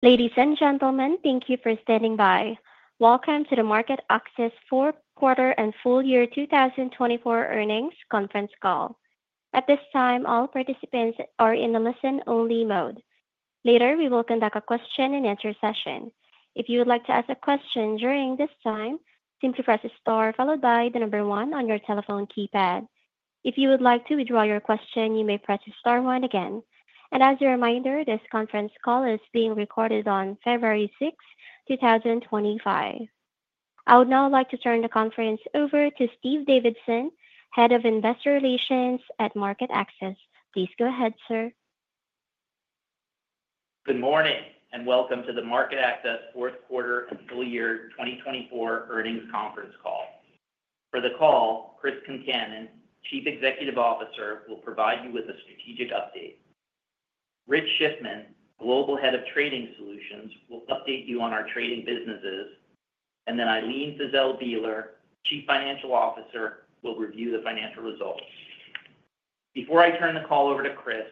Ladies and gentlemen, thank you for standing by. Welcome to the MarketAxess Fourth Quarter and Full Year 2024 Earnings Conference Call. At this time, all participants are in the listen-only mode. Later, we will conduct a question-and-answer session. If you would like to ask a question during this time, simply press the star followed by the number one on your telephone keypad. If you would like to withdraw your question, you may press the star one again. And as a reminder, this conference call is being recorded on February 6, 2025. I would now like to turn the conference over to Steve Davidson, Head of Investor Relations at MarketAxess. Please go ahead, sir. Good morning, and welcome to the MarketAxess Fourth Quarter and Full Year 2024 Earnings Conference Call. For the call, Chris Concannon, Chief Executive Officer, will provide you with a strategic update. Rich Schiffman, Global Head of Trading Solutions, will update you on our trading businesses. And then Ilene Fiszel Bieler, Chief Financial Officer, will review the financial results. Before I turn the call over to Chris,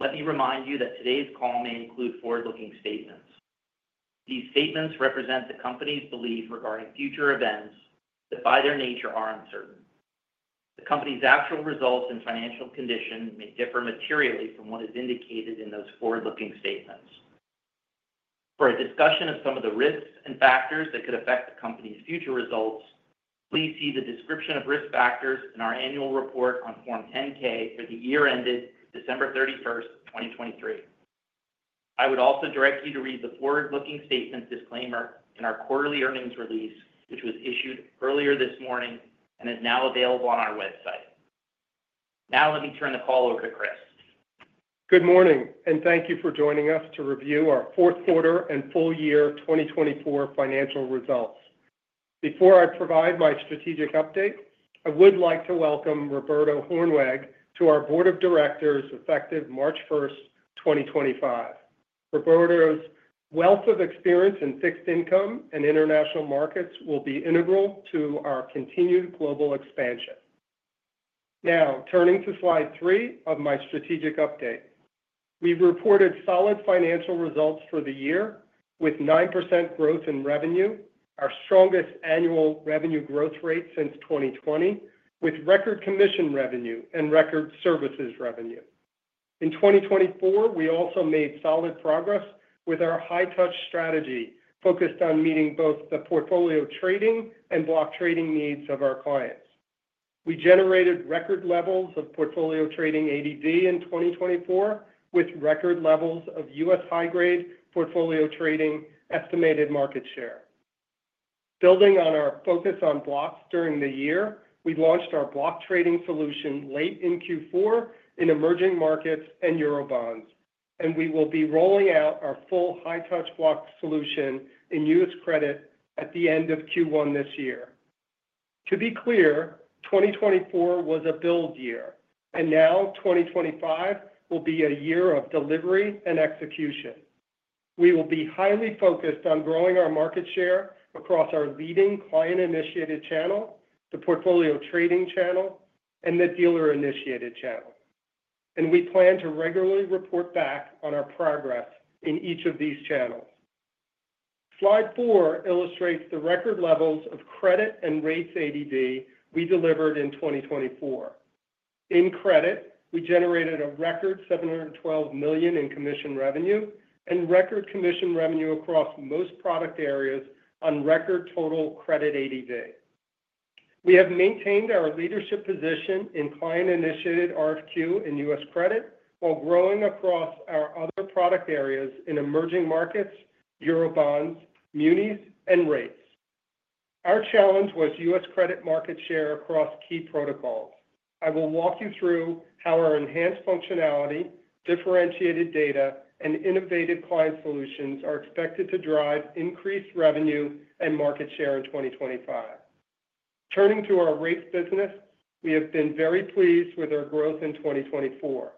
let me remind you that today's call may include forward-looking statements. These statements represent the company's belief regarding future events that by their nature are uncertain. The company's actual results and financial condition may differ materially from what is indicated in those forward-looking statements. For a discussion of some of the risks and factors that could affect the company's future results, please see the description of Risk Factors in our annual report on Form 10-K for the year ended December 31st, 2023. I would also direct you to read the forward-looking statement disclaimer in our quarterly earnings release, which was issued earlier this morning and is now available on our website. Now, let me turn the call over to Chris. Good morning, and thank you for joining us to review our Fourth Quarter and Full Year 2024 financial results. Before I provide my strategic update, I would like to welcome Roberto Hoornweg to our Board of Directors effective March 1st, 2025. Roberto's wealth of experience in fixed income and international markets will be integral to our continued global expansion. Now, turning to slide three of my strategic update, we've reported solid financial results for the year with 9% growth in revenue, our strongest annual revenue growth rate since 2020, with record commission revenue and record services revenue. In 2024, we also made solid progress with our high-touch strategy focused on meeting both the portfolio trading and block trading needs of our clients. We generated record levels of portfolio trading ADV in 2024 with record levels of U.S. high-grade portfolio trading estimated market share. Building on our focus on blocks during the year, we launched our Block Trading Solution late in Q4 in emerging markets and Eurobonds, and we will be rolling out our full high-touch block solution in U.S. credit at the end of Q1 this year. To be clear, 2024 was a build year, and now 2025 will be a year of delivery and execution. We will be highly focused on growing our market share across our leading Client-Initiated Channel, the Portfolio Trading Channel, and the Dealer-Initiated Channel, and we plan to regularly report back on our progress in each of these channels. Slide four illustrates the record levels of credit and rates ADV we delivered in 2024. In credit, we generated a record $712 million in commission revenue and record commission revenue across most product areas on record total credit ADV. We have maintained our leadership position in client-initiated RFQ and U.S. credit while growing across our other product areas in emerging markets, Eurobonds, Munis, and Rates. Our challenge was U.S. credit market share across key protocols. I will walk you through how our enhanced functionality, differentiated data, and innovative client solutions are expected to drive increased revenue and market share in 2025. Turning to our rates business, we have been very pleased with our growth in 2024.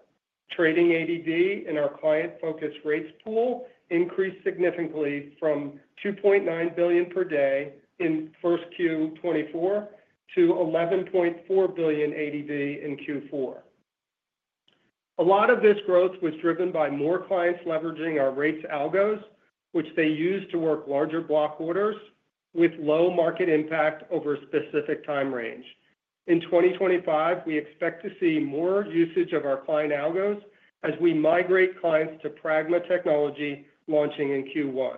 Trading ADV in our client-focused rates pool increased significantly from $2.9 billion per day in 1Q 2024 to $11.4 billion ADV in Q4 2024. A lot of this growth was driven by more clients leveraging our rates algos, which they use to work larger block orders with low market impact over a specific time range. In 2025, we expect to see more usage of our client algos as we migrate clients to Pragma Technology launching in Q1.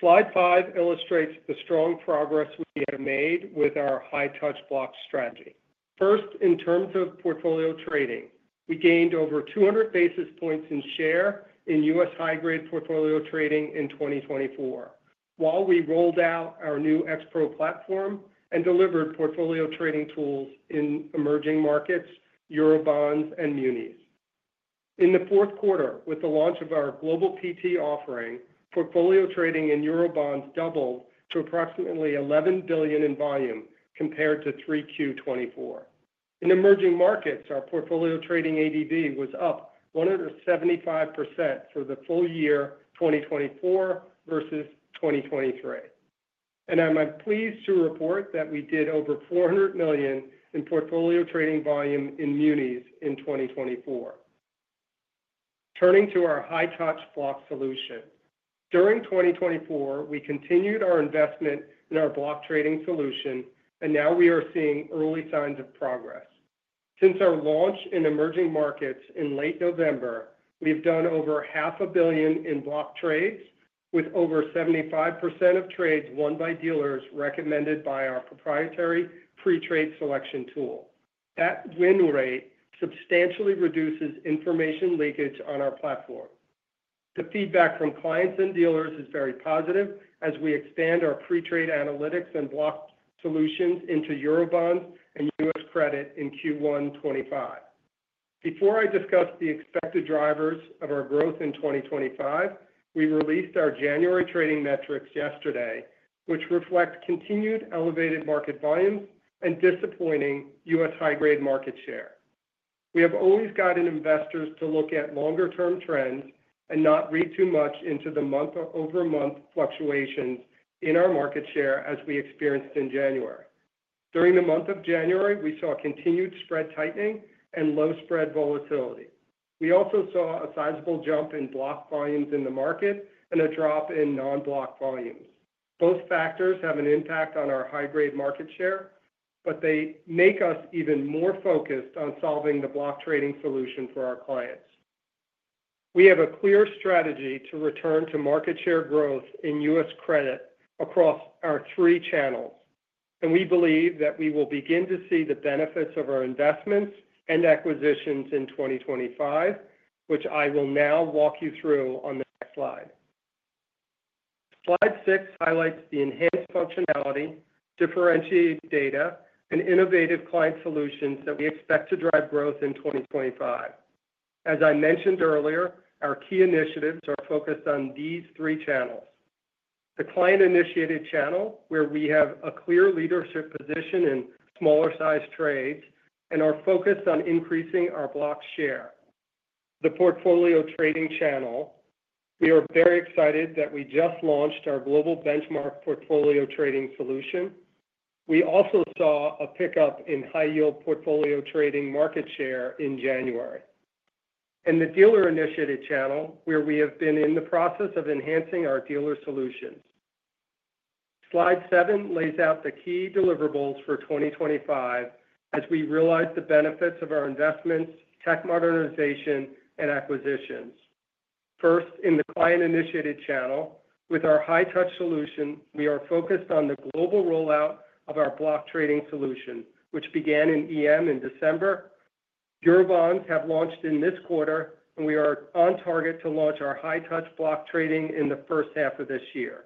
Slide five illustrates the strong progress we have made with our high-touch block strategy. First, in terms of portfolio trading, we gained over 200 basis points in share in U.S. high-grade portfolio trading in 2024 while we rolled out our new X-Pro platform and delivered portfolio trading tools in Emerging Markets, Eurobonds, and Munis. In the fourth quarter, with the launch of our global PT offering, portfolio trading in Eurobonds doubled to approximately $11 billion in volume compared to 3Q 2024. In emerging markets, our portfolio trading ADV was up 175% for the full year 2024 versus 2023. And I'm pleased to report that we did over $400 million in portfolio trading volume in Munis in 2024. Turning to our high-touch block solution, during 2024, we continued our investment in our Block Trading Solution, and now we are seeing early signs of progress. Since our launch in emerging markets in late November, we have done over $500 million in block trades, with over 75% of trades won by dealers recommended by our proprietary pre-trade selection tool. That win rate substantially reduces information leakage on our platform. The feedback from clients and dealers is very positive as we expand our Pre-Trade Analytics and Block Solutions into Eurobonds and U.S. credit in Q1 2025. Before I discuss the expected drivers of our growth in 2025, we released our January trading metrics yesterday, which reflect continued elevated market volumes and disappointing U.S. high-grade market share. We have always guided investors to look at longer-term trends and not read too much into the month-over-month fluctuations in our market share as we experienced in January. During the month of January, we saw continued spread tightening and low spread volatility. We also saw a sizable jump in block volumes in the market and a drop in non-block volumes. Both factors have an impact on our high-grade market share, but they make us even more focused on solving the block trading solution for our clients. We have a clear strategy to return to market share growth in U.S. credit across our three channels, and we believe that we will begin to see the benefits of our investments and acquisitions in 2025, which I will now walk you through on the next slide. Slide six highlights the enhanced functionality, differentiated data, and innovative client solutions that we expect to drive growth in 2025. As I mentioned earlier, our key initiatives are focused on these three channels: the Client-Initiated Channel, where we have a clear leadership position in smaller-sized trades, and our focus on increasing our block share. The Portfolio Trading Channel. We are very excited that we just launched our global benchmark portfolio trading solution. We also saw a pickup in high-yield portfolio trading market share in January. The Dealer-Initiated Channel, where we have been in the process of enhancing our dealer solutions. Slide seven lays out the key deliverables for 2025 as we realize the benefits of our investments, tech modernization, and acquisitions. First, in the Client-Initiated Channel, with our high-touch solution, we are focused on the global rollout of our block trading solution, which began in EM in December. Eurobonds have launched in this quarter, and we are on target to launch our high-touch block trading in the first half of this year.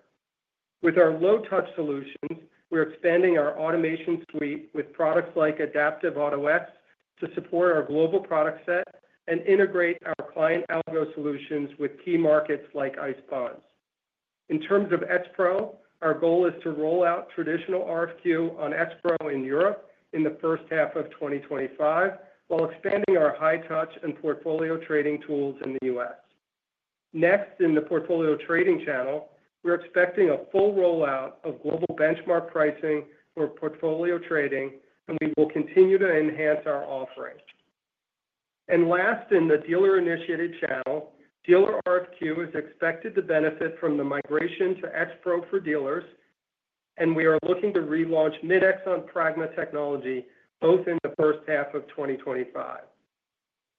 With our low-touch solutions, we're expanding our automation suite with products like Adaptive Auto-X to support our global product set and integrate our client algo solutions with key markets like ICE Bonds. In terms of X-Pro, our goal is to roll out traditional RFQ on X-Pro in Europe in the first half of 2025 while expanding our high-touch and portfolio trading tools in the U.S. Next, in the Portfolio Trading Channel, we're expecting a full rollout of global benchmark pricing for portfolio trading, and we will continue to enhance our offering. Last, in the Dealer-Initiated Channel, dealer RFQ is expected to benefit from the migration to X-Pro for dealers, and we are looking to relaunch Mid-X on Pragma Technology both in the first half of 2025.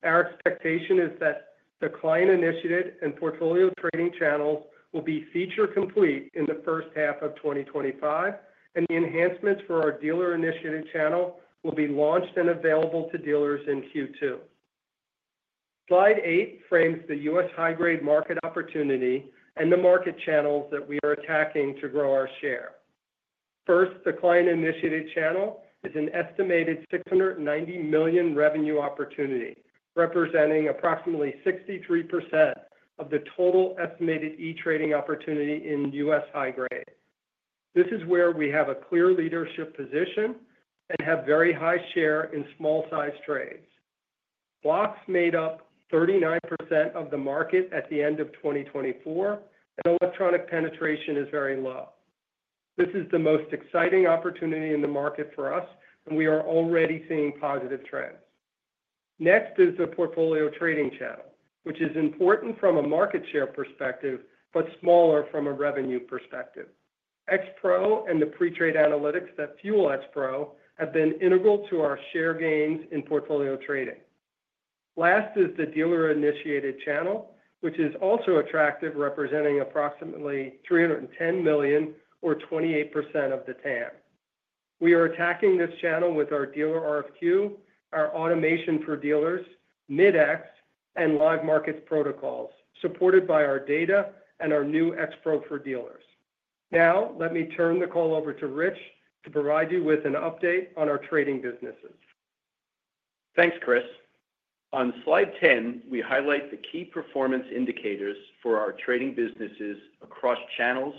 Our expectation is that the client-initiated and Portfolio Trading Channels will be feature complete in the first half of 2025, and the enhancements for our Dealer-Initiated Channel will be launched and available to dealers in Q2. Slide eight frames the U.S. high-grade market opportunity and the market channels that we are attacking to grow our share. First, the Client-Initiated Channel is an estimated $690 million revenue opportunity, representing approximately 63% of the total estimated e-trading opportunity in U.S. high-grade. This is where we have a clear leadership position and have very high share in small-sized trades. Blocks made up 39% of the market at the end of 2024, and electronic penetration is very low. This is the most exciting opportunity in the market for us, and we are already seeing positive trends. Next is the Portfolio Trading Channel, which is important from a market share perspective but smaller from a revenue perspective. X-Pro and the pre-trade analytics that fuel X-Pro have been integral to our share gains in portfolio trading. Last is the Dealer-Initiated Channel, which is also attractive, representing approximately $310 million, or 28% of the TAM. We are attacking this channel with our dealer RFQ, our automation for dealers, Mid-X, and Live Markets protocols supported by our data and our new X-Pro for dealers. Now, let me turn the call over to Rich to provide you with an update on our trading businesses. Thanks, Chris. On slide 10, we highlight the key performance indicators for our trading businesses across channels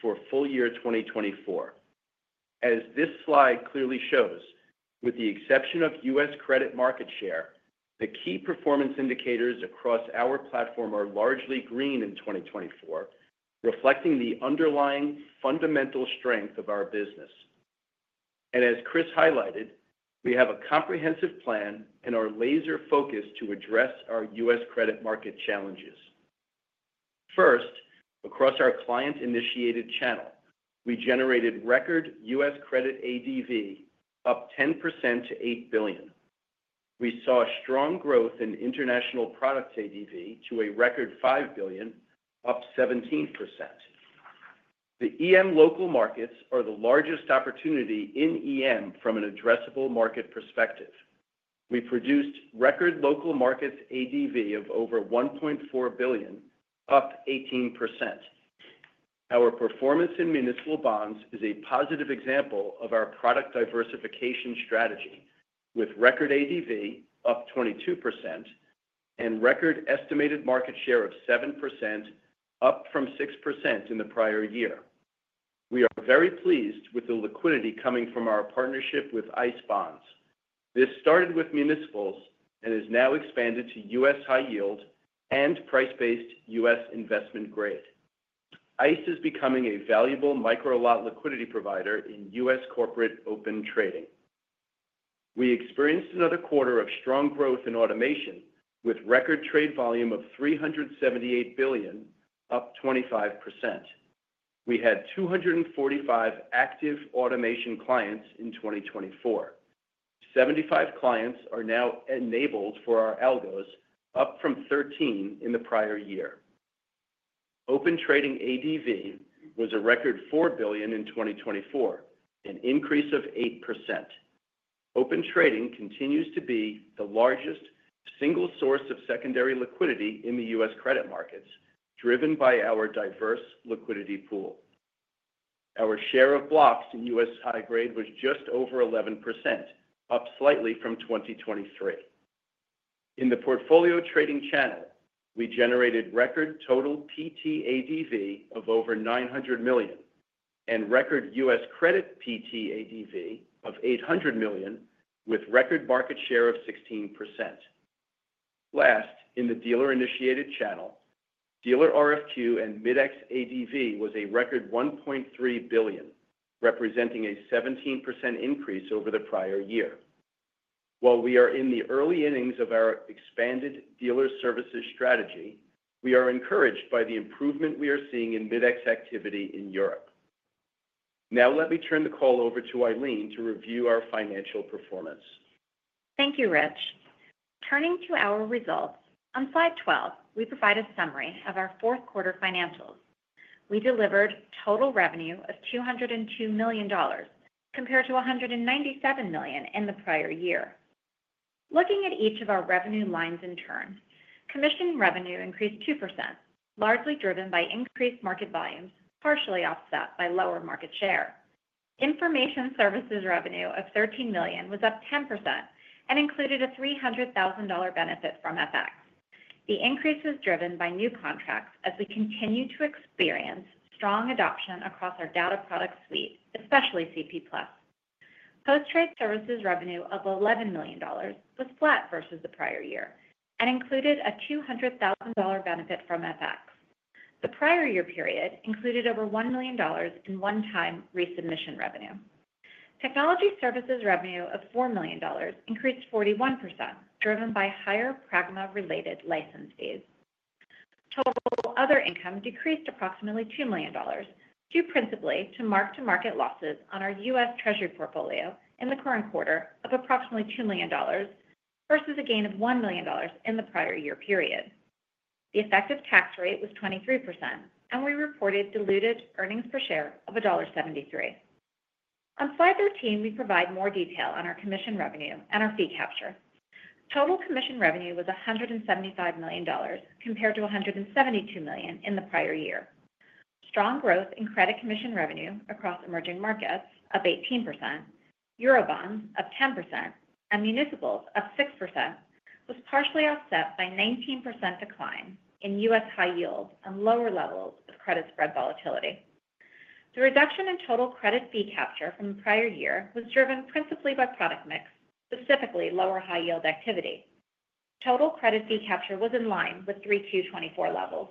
for full year 2024. As this slide clearly shows, with the exception of U.S. credit market share, the key performance indicators across our platform are largely green in 2024, reflecting the underlying fundamental strength of our business. And as Chris highlighted, we have a comprehensive plan and are laser-focused to address our U.S. credit market challenges. First, across our Client-Initiated Channel, we generated record U.S. credit ADV up 10% to $8 billion. We saw strong growth in international products ADV to a record $5 billion, up 17%. The EM local markets are the largest opportunity in EM from an addressable market perspective. We produced record local markets ADV of over $1.4 billion, up 18%. Our performance in Municipal Bonds is a positive example of our product diversification strategy, with record ADV up 22% and record estimated market share of 7%, up from 6% in the prior year. We are very pleased with the liquidity coming from our partnership with ICE Bonds. This started with municipals and is now expanded to U.S. high yield and price-based U.S. investment grade. ICE is becoming a valuable micro-lot liquidity provider in U.S. corporate Open Trading. We experienced another quarter of strong growth in automation with record trade volume of $378 billion, up 25%. We had 245 active automation clients in 2024. 75 clients are now enabled for our algos, up from 13 in the prior year. Open trading ADV was a record $4 billion in 2024, an increase of 8%. Open trading continues to be the largest single source of secondary liquidity in the U.S. credit markets, driven by our diverse liquidity pool. Our share of blocks in U.S. high-grade was just over 11%, up slightly from 2023. In the Portfolio Trading Channel, we generated record total PT ADV of over $900 million and record U.S. credit PT ADV of $800 million, with record market share of 16%. Last, in the Dealer-Initiated Channel, dealer RFQ and Mid-X ADV was a record $1.3 billion, representing a 17% increase over the prior year. While we are in the early innings of our expanded dealer services strategy, we are encouraged by the improvement we are seeing in Mid-X activity in Europe. Now, let me turn the call over to Ilene to review our financial performance. Thank you, Rich. Turning to our results, on slide 12, we provide a summary of our fourth quarter financials. We delivered total revenue of $202 million compared to $197 million in the prior year. Looking at each of our revenue lines in turn, commission revenue increased 2%, largely driven by increased market volumes, partially offset by lower market share. Information services revenue of $13 million was up 10% and included a $300,000 benefit from FX. The increase was driven by new contracts as we continue to experience strong adoption across our data product suite, especially CP+. Post-trade services revenue of $11 million was flat versus the prior year and included a $200,000 benefit from FX. The prior year period included over $1 million in one-time resubmission revenue. Technology services revenue of $4 million increased 41%, driven by higher Pragma-related license fees. Total other income decreased approximately $2 million, due principally to mark-to-market losses on our U.S. Treasury portfolio in the current quarter of approximately $2 million versus a gain of $1 million in the prior year period. The effective tax rate was 23%, and we reported diluted earnings per share of $1.73. On slide 13, we provide more detail on our commission revenue and our fee capture. Total commission revenue was $175 million compared to $172 million in the prior year. Strong growth in credit commission revenue across emerging markets, up 18%, Eurobonds up 10%, and Municipals up 6%, was partially offset by a 19% decline in U.S. high-yield and lower levels of credit spread volatility. The reduction in total credit fee capture from the prior year was driven principally by product mix, specifically lower high-yield activity. Total credit fee capture was in line with 3Q24 levels.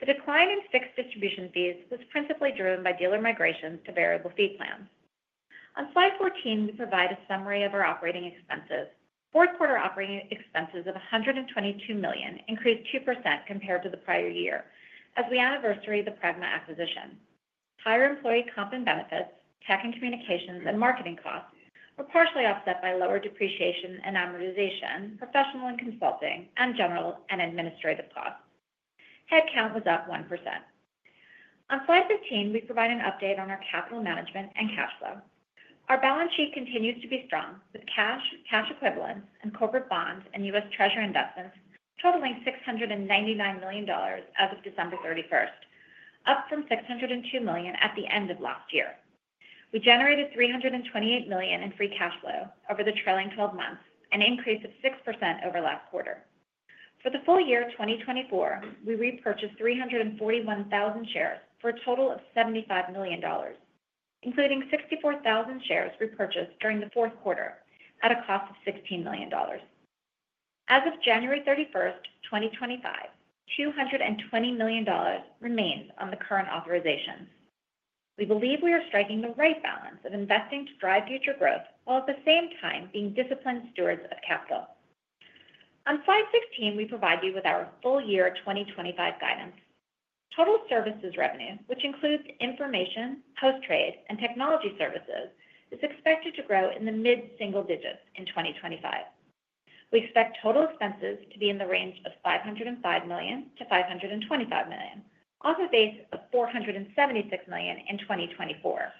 The decline in fixed distribution fees was principally driven by dealer migrations to variable fee plans. On slide 14, we provide a summary of our operating expenses. Q4 operating expenses of $122 million increased 2% compared to the prior year as we anniversary the Pragma acquisition. Higher employee comp and benefits, tech and communications, and marketing costs were partially offset by lower depreciation and amortization, professional and consulting, and general and administrative costs. Headcount was up 1%. On slide 15, we provide an update on our Capital Management and cash flow. Our balance sheet continues to be strong, with cash, cash equivalents, and corporate bonds and U.S. treasury investments totaling $699 million as of December 31st, up from $602 million at the end of last year. We generated $328 million in free cash flow over the trailing 12 months, an increase of 6% over last quarter. For the full year 2024, we repurchased 341,000 shares for a total of $75 million, including 64,000 shares repurchased during the fourth quarter at a cost of $16 million. As of January 31st, 2025, $220 million remains on the current authorizations. We believe we are striking the right balance of investing to drive future growth while at the same time being disciplined stewards of capital. On slide 16, we provide you with our full year 2025 guidance. Total services revenue, which includes information, post-trade, and technology services, is expected to grow in the mid-single digits in 2025. We expect total expenses to be in the range of $505 million-$525 million, off a base of $476 million in 2024.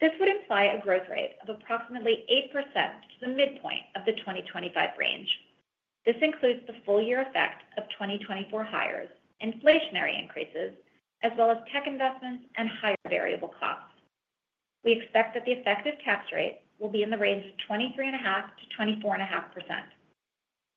This would imply a growth rate of approximately 8% to the midpoint of the 2025 range. This includes the full year effect of 2024 hires, inflationary increases, as well as tech investments and higher variable costs. We expect that the effective tax rate will be in the range of 23.5%-24.5%.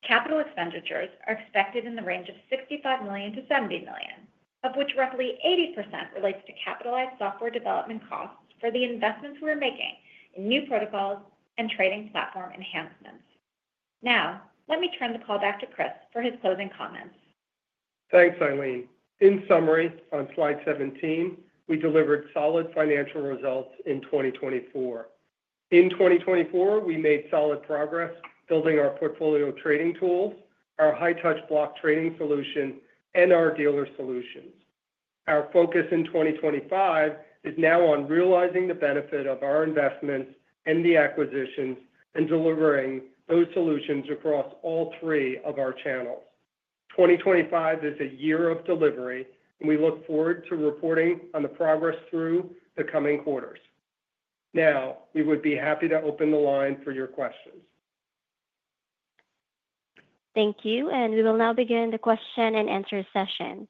Capital expenditures are expected in the range of $65 million-$70 million, of which roughly 80% relates to capitalized software development costs for the investments we are making in new protocols and trading platform enhancements. Now, let me turn the call back to Chris for his closing comments. Thanks, Ilene. In summary, on slide 17, we delivered solid financial results in 2024. In 2024, we made solid progress building our Portfolio Trading Tools, our High-Touch Block Trading Solution, and our Dealer Solutions. Our focus in 2025 is now on realizing the benefit of our investments and the acquisitions and delivering those solutions across all three of our channels. 2025 is a year of delivery, and we look forward to reporting on the progress through the coming quarters. Now, we would be happy to open the line for your questions. Thank you. And we will now begin the question and answer session.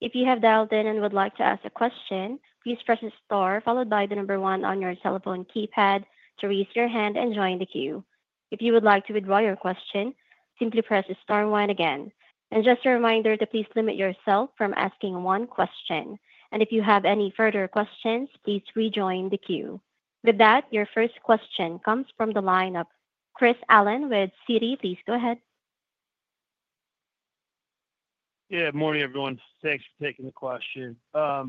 If you have dialed in and would like to ask a question, please press the star followed by the number one on your cell phone keypad to raise your hand and join the queue. If you would like to withdraw your question, simply press the star one again. And just a reminder to please limit yourself from asking one question. And if you have any further questions, please rejoin the queue. With that, your first question comes from the line of Chris Allen with Citi. Please go ahead. Yeah, morning, everyone. Thanks for taking the question. I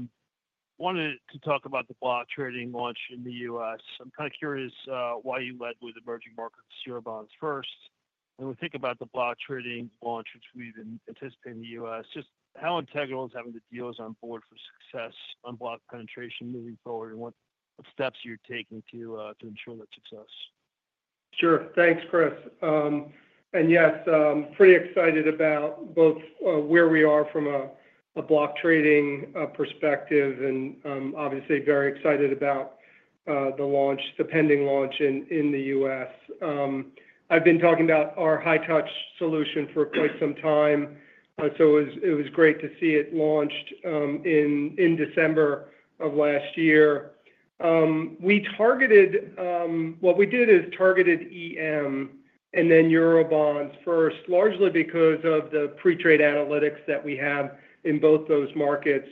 wanted to talk about the Block Trading Launch in the U.S. I'm kind of curious why you led with Emerging Markets Eurobonds first. When we think about the Block Trading Launch, which we've anticipated in the U.S., just how integral is having the dealers on board for success on block penetration moving forward, and what steps are you taking to ensure that success? Sure. Thanks, Chris. And yes, pretty excited about both where we are from a block trading perspective and obviously very excited about the launch, the pending launch in the U.S. I've been talking about our High-Touch Solution for quite some time, so it was great to see it launched in December of last year. What we did is targeted EM and then Eurobonds first, largely because of the pre-trade analytics that we have in both those markets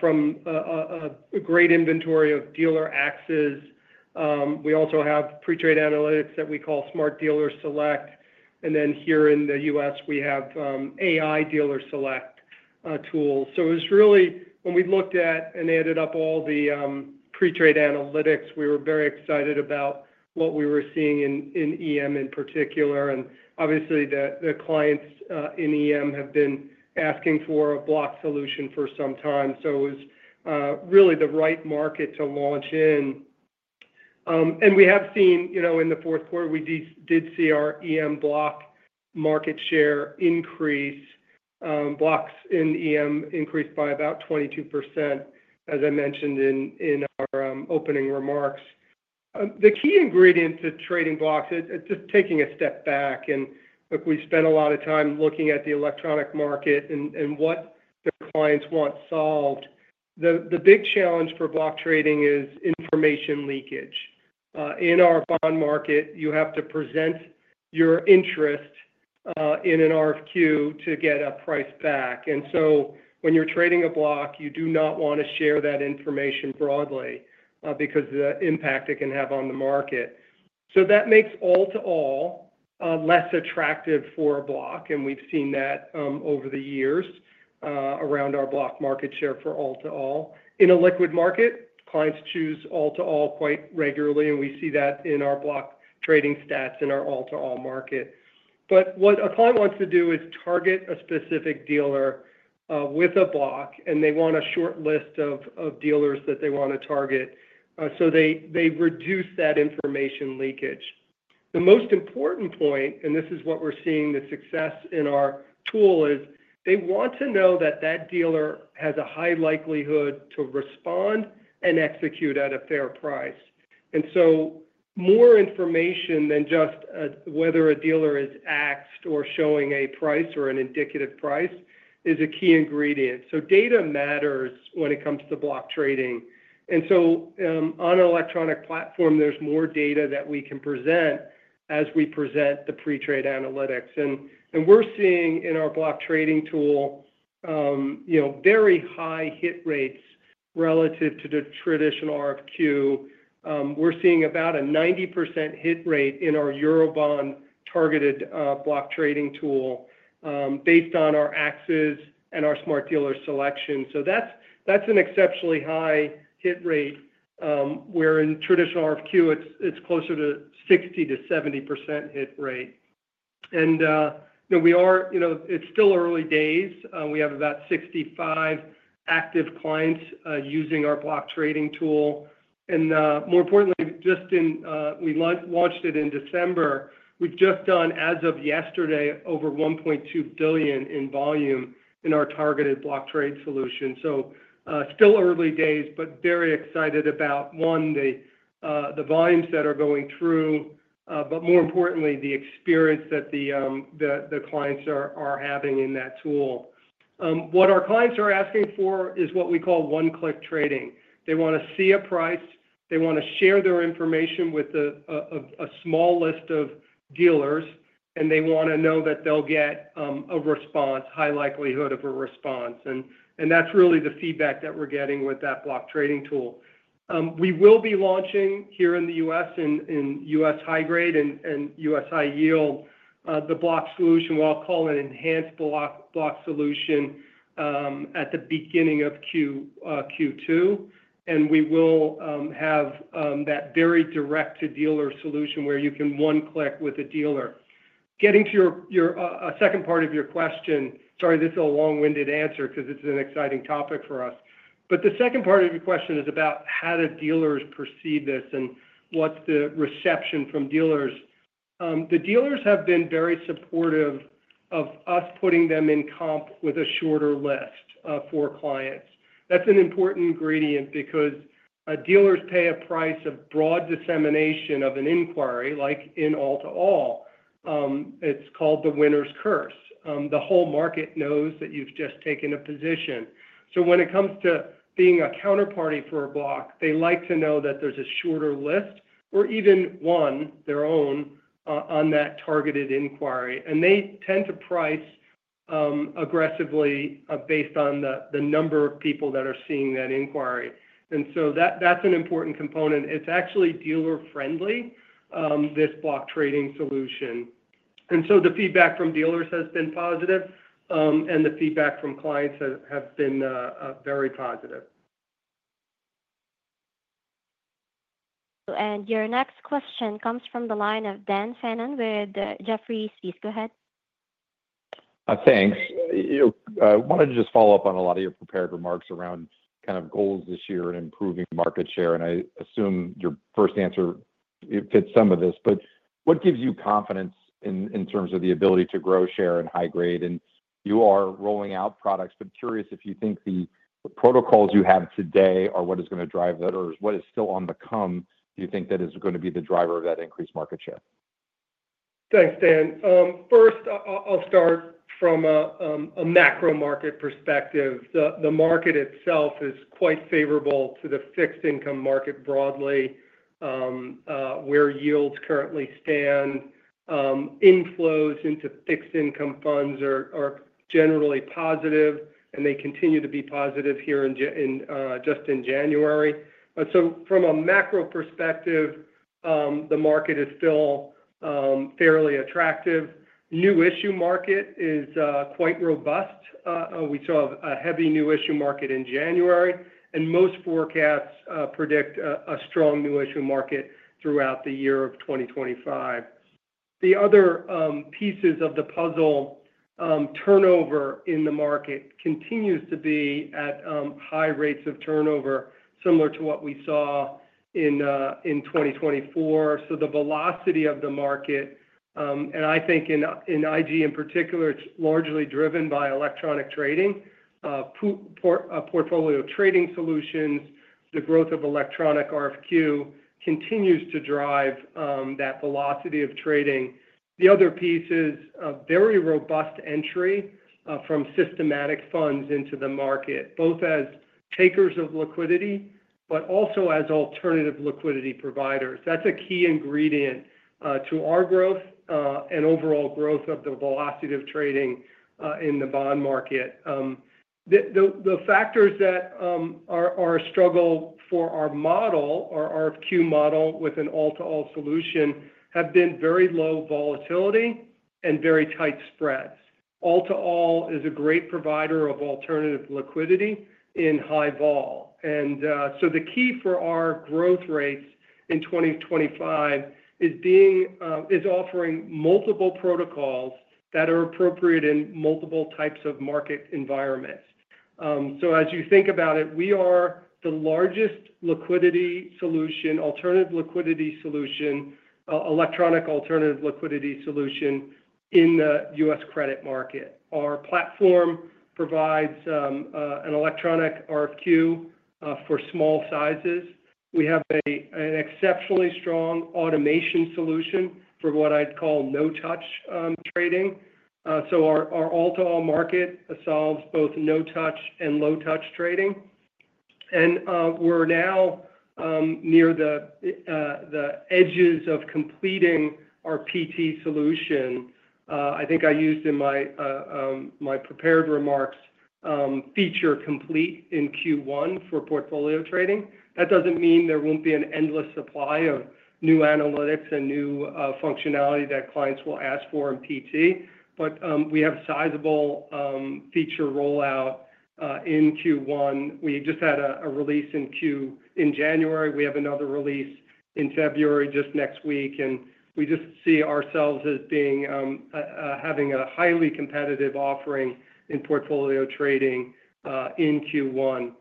from a great inventory of dealer axes. We also have pre-trade analytics that we call Smart Dealer Select. And then here in the U.S., we have AI Dealer Select tools. So it was really, when we looked at and added up all the pre-trade analytics, we were very excited about what we were seeing in EM in particular. Obviously, the clients in EM have been asking for a block solution for some time, so it was really the right market to launch in. We have seen, you know, in the fourth quarter, we did see our EM block market share increase. Blocks in EM increased by about 22%, as I mentioned in our opening remarks. The key ingredient to trading blocks, just taking a step back, and we spent a lot of time looking at the electronic market and what the clients want solved. The big challenge for block trading is information leakage. In our bond market, you have to present your interest in an RFQ to get a price back. So when you're trading a block, you do not want to share that information broadly because of the impact it can have on the market. So that makes all-to-all less attractive for a block, and we've seen that over the years around our block market share for all-to-all. In a liquid market, clients choose all-to-all quite regularly, and we see that in our block trading stats in our all-to-all market. But what a client wants to do is target a specific dealer with a block, and they want a short list of dealers that they want to target, so they reduce that information leakage. The most important point, and this is what we're seeing the success in our tool, is they want to know that that dealer has a high likelihood to respond and execute at a fair price. And so more information than just whether a dealer is axed or showing a price or an indicative price is a key ingredient. So data matters when it comes to block trading. And so on an electronic platform, there's more data that we can present as we present the pre-trade analytics. And we're seeing in our block trading tool, you know, very high hit rates relative to the traditional RFQ. We're seeing about a 90% hit rate in our Eurobond Targeted Block Trading Tool based on our Axess and our Smart Dealer Select. So that's an exceptionally high hit rate. Where in traditional RFQ, it's closer to 60%-70% hit rate. And we are, you know, it's still early days. We have about 65 active clients using our block trading tool. And more importantly, just in, we launched it in December, we've just done, as of yesterday, over $1.2 billion in volume in our targeted block trade solution. Still early days, but very excited about, one, the volumes that are going through, but more importantly, the experience that the clients are having in that tool. What our clients are asking for is what we call one-click trading. They want to see a price. They want to share their information with a small list of dealers, and they want to know that they'll get a response, high likelihood of a response, and that's really the feedback that we're getting with that block trading tool. We will be launching here in the U.S. in U.S. high-grade and U.S. high-yield, the block solution. We'll call it an Enhanced Block Solution at the beginning of Q2, and we will have that very direct-to-dealer solution where you can one-click with a dealer. Getting to your second part of your question, sorry, this is a long-winded answer because it's an exciting topic for us. But the second part of your question is about how do dealers perceive this and what's the reception from dealers. The dealers have been very supportive of us putting them in comp with a shorter list for clients. That's an important ingredient because dealers pay a price of broad dissemination of an inquiry, like in all-to-all. It's called the winner's curse. The whole market knows that you've just taken a position. So when it comes to being a counterparty for a block, they like to know that there's a shorter list or even one, their own, on that targeted inquiry. And they tend to price aggressively based on the number of people that are seeing that inquiry. And so that's an important component. It's actually dealer-friendly, this block trading solution, and so the feedback from dealers has been positive, and the feedback from clients have been very positive. Your next question comes from the line of Dan Fannon with Jefferies. Go ahead. Thanks. I wanted to just follow up on a lot of your prepared remarks around kind of goals this year and improving market share. And I assume your first answer fits some of this, but what gives you confidence in terms of the ability to grow share in high-grade? And you are rolling out products, but curious if you think the protocols you have today are what is going to drive that, or what is still on the come, do you think that is going to be the driver of that increased market share? Thanks, Dan. First, I'll start from a macro market perspective. The market itself is quite favorable to the fixed income market broadly, where yields currently stand. Inflows into fixed income funds are generally positive, and they continue to be positive here just in January, so from a macro perspective, the market is still fairly attractive. New issue market is quite robust. We saw a heavy new issue market in January, and most forecasts predict a strong new issue market throughout the year of 2025. The other pieces of the puzzle, turnover in the market continues to be at high rates of turnover, similar to what we saw in 2024, so the velocity of the market, and I think in IG in particular, it's largely driven by Electronic Trading, Portfolio Trading Solutions. The growth of Electronic RFQ continues to drive that velocity of trading. The other piece is a very robust entry from systematic funds into the market, both as takers of liquidity, but also as alternative liquidity providers. That's a key ingredient to our growth and overall growth of the velocity of trading in the bond market. The factors that are a struggle for our model, our RFQ model with an all-to-all solution, have been very low volatility and very tight spreads. All-to-all is a great provider of alternative liquidity in high vol. And so the key for our growth rates in 2025 is offering multiple protocols that are appropriate in multiple types of market environments. So as you think about it, we are the largest liquidity solution, alternative liquidity solution, electronic alternative liquidity solution in the U.S. credit market. Our platform provides an electronic RFQ for small sizes. We have an exceptionally strong automation solution for what I'd call no-touch trading. So our all-to-all market solves both no-touch and low-touch trading. And we're now near the edges of completing our PT solution. I think I used in my prepared remarks feature complete in Q1 for portfolio trading. That doesn't mean there won't be an endless supply of new analytics and new functionality that clients will ask for in PT, but we have sizable feature rollout in Q1. We just had a release in Q1 in January. We have another release in February just next week. And we just see ourselves as having a highly competitive offering in portfolio trading in Q1.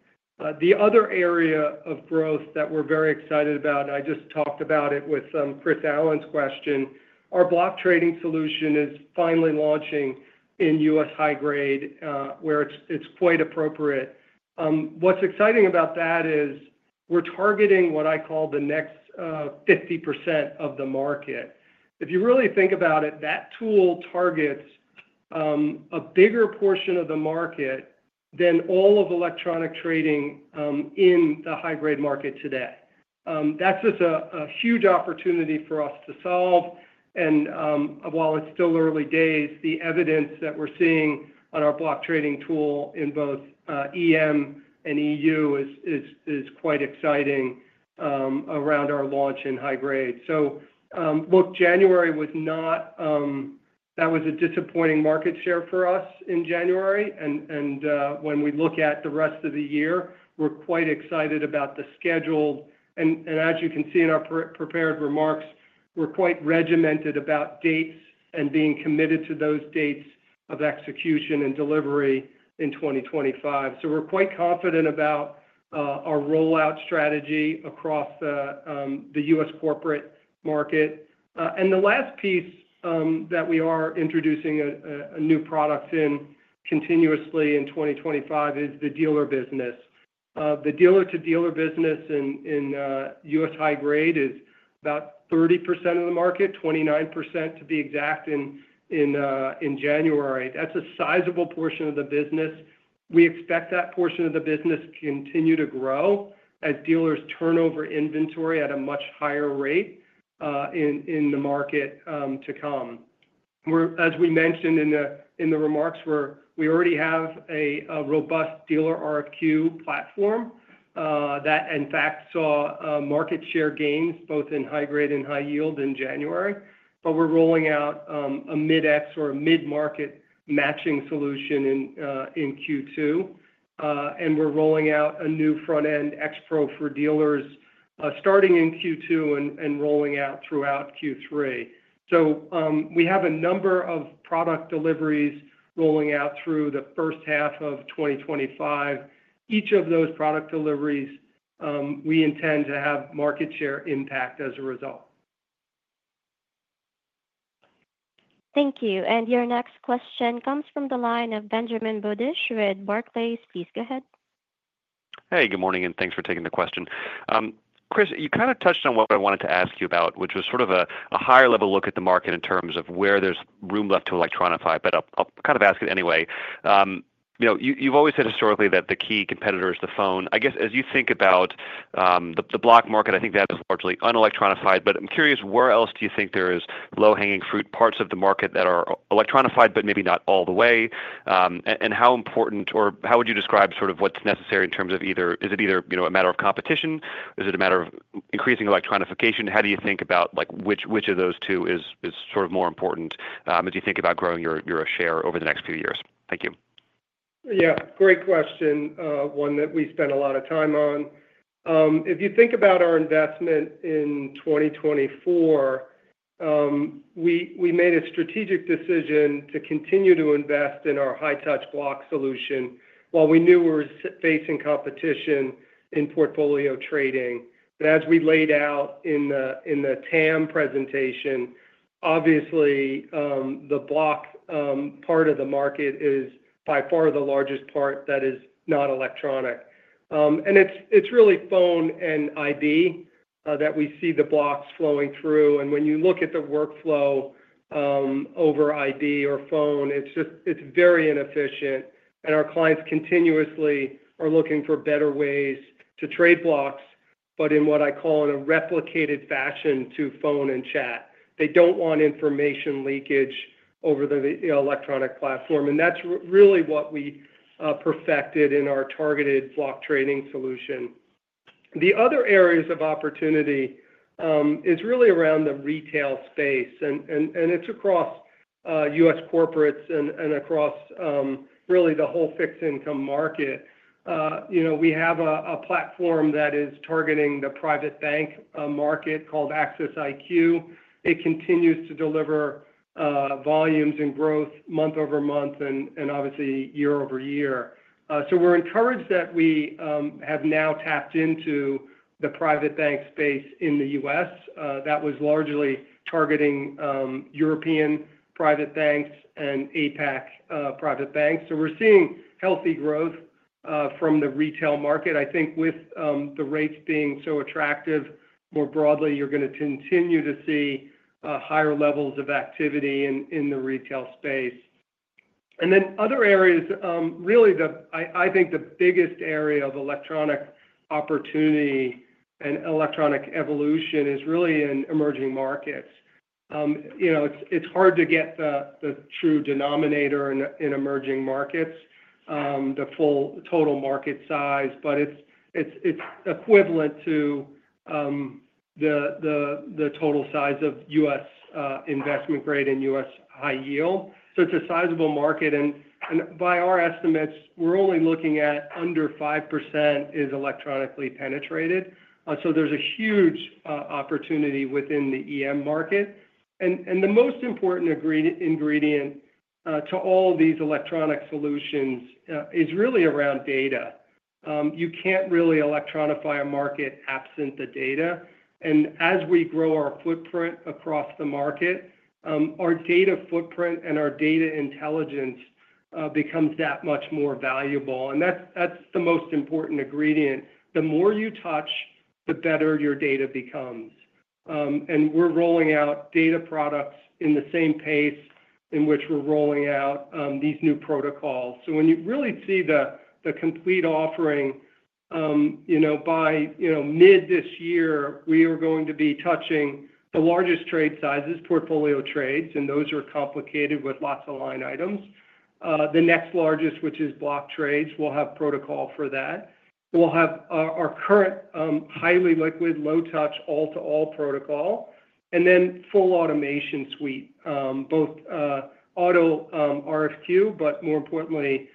The other area of growth that we're very excited about, and I just talked about it with Chris Allen's question, our block trading solution is finally launching in U.S. high-grade, where it's quite appropriate. What's exciting about that is we're targeting what I call the next 50% of the market. If you really think about it, that tool targets a bigger portion of the market than all of electronic trading in the high-grade market today. That's just a huge opportunity for us to solve. And while it's still early days, the evidence that we're seeing on our block trading tool in both EM and EU is quite exciting around our launch in high-grade. So look, that was a disappointing market share for us in January. And when we look at the rest of the year, we're quite excited about the schedule. And as you can see in our prepared remarks, we're quite regimented about dates and being committed to those dates of execution and delivery in 2025. So we're quite confident about our rollout strategy across the U.S. corporate market and the last piece that we are introducing a new product continuously in 2025 is the dealer business. The dealer-to-dealer business in U.S. high-grade is about 30% of the market, 29% to be exact in January. That's a sizable portion of the business. We expect that portion of the business to continue to grow as dealers turn over inventory at a much higher rate in the market to come. As we mentioned in the remarks, we already have a robust dealer RFQ platform that, in fact, saw market share gains both in high-grade and high-yield in January. But we're rolling out a Mid-X or a mid-market matching solution in Q2. And we're rolling out a new front-end X-Pro for dealers starting in Q2 and rolling out throughout Q3. So we have a number of product deliveries rolling out through the first half of 2025. Each of those product deliveries, we intend to have market share impact as a result. Thank you. And your next question comes from the line of Benjamin Budish with Barclays. Please go ahead. Hey, good morning, and thanks for taking the question. Chris, you kind of touched on what I wanted to ask you about, which was sort of a higher-level look at the market in terms of where there's room left to electronify, but I'll kind of ask it anyway. You've always said historically that the key competitor is the phone. I guess as you think about the block market, I think that is largely unelectronified, but I'm curious where else do you think there is low-hanging fruit, parts of the market that are electronified, but maybe not all the way? And how important, or how would you describe sort of what's necessary in terms of either, is it either a matter of competition? Is it a matter of increasing electronification? How do you think about which of those two is sort of more important as you think about growing your share over the next few years? Thank you. Yeah, great question. One that we spend a lot of time on. If you think about our investment in 2024, we made a strategic decision to continue to invest in our high-touch block solution while we knew we were facing competition in portfolio trading, but as we laid out in the TAM presentation, obviously the block part of the market is by far the largest part that is not electronic, and it's really phone and ID that we see the blocks flowing through, and when you look at the workflow over ID or phone, it's very inefficient, and our clients continuously are looking for better ways to trade blocks, but in what I call in a replicated fashion to phone and chat. They don't want information leakage over the electronic platform, and that's really what we perfected in our targeted block trading solution. The other areas of opportunity is really around the retail space, and it's across U.S. corporates and across really the whole fixed income market. We have a platform that is targeting the private bank market called Axess IQ. It continues to deliver volumes and growth month over month and obviously year-over-year, so we're encouraged that we have now tapped into the private bank space in the U.S., that was largely targeting European private banks and APAC private banks, so we're seeing healthy growth from the retail market. I think with the rates being so attractive, more broadly, you're going to continue to see higher levels of activity in the retail space, and then other areas, really I think the biggest area of electronic opportunity and electronic evolution is really in emerging markets. It's hard to get the true denominator in emerging markets, the full total market size, but it's equivalent to the total size of U.S. investment grade and U.S. high yield. So it's a sizable market. And by our estimates, we're only looking at under 5% is electronically penetrated. So there's a huge opportunity within the EM market. And the most important ingredient to all of these electronic solutions is really around data. You can't really electronify a market absent the data. And as we grow our footprint across the market, our data footprint and our data intelligence becomes that much more valuable. And that's the most important ingredient. The more you touch, the better your data becomes. And we're rolling out data products in the same pace in which we're rolling out these new protocols. So when you really see the complete offering, by mid this year, we are going to be touching the largest trade sizes, portfolio trades, and those are complicated with lots of line items. The next largest, which is block trades, we'll have protocol for that. We'll have our current highly liquid, low-touch, all-to-all protocol, and then full automation suite, both auto RFQ, but more importantly,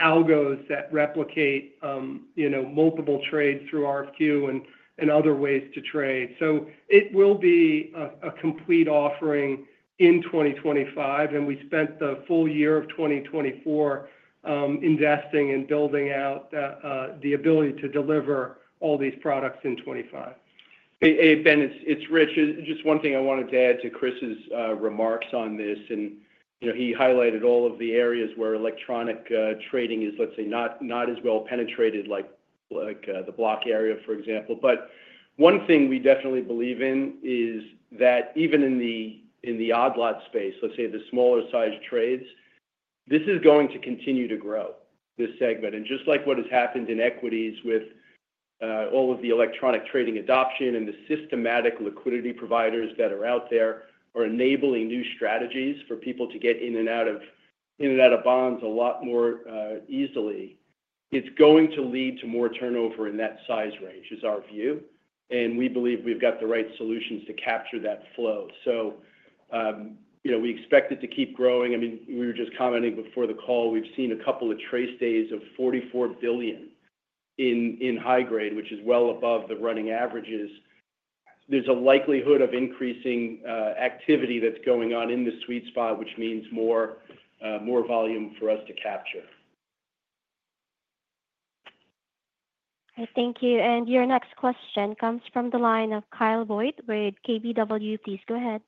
algos that replicate multiple trades through RFQ and other ways to trade. So it will be a complete offering in 2025, and we spent the full year of 2024 investing and building out the ability to deliver all these products in 2025. Hey, Ben, it's Rich. Just one thing I wanted to add to Chris's remarks on this. And he highlighted all of the areas where electronic trading is, let's say, not as well penetrated like the block area, for example. But one thing we definitely believe in is that even in the odd lot space, let's say the smaller size trades, this is going to continue to grow, this segment. And just like what has happened in equities with all of the electronic trading adoption and the systematic liquidity providers that are out there are enabling new strategies for people to get in and out of bonds a lot more easily. It's going to lead to more turnover in that size range is our view. And we believe we've got the right solutions to capture that flow. So we expect it to keep growing. I mean, we were just commenting before the call, we've seen a couple of TRACE days of $44 billion in high grade, which is well above the running averages. There's a likelihood of increasing activity that's going on in the sweet spot, which means more volume for us to capture. Thank you. And your next question comes from the line of Kyle Voigt with KBW. Please go ahead.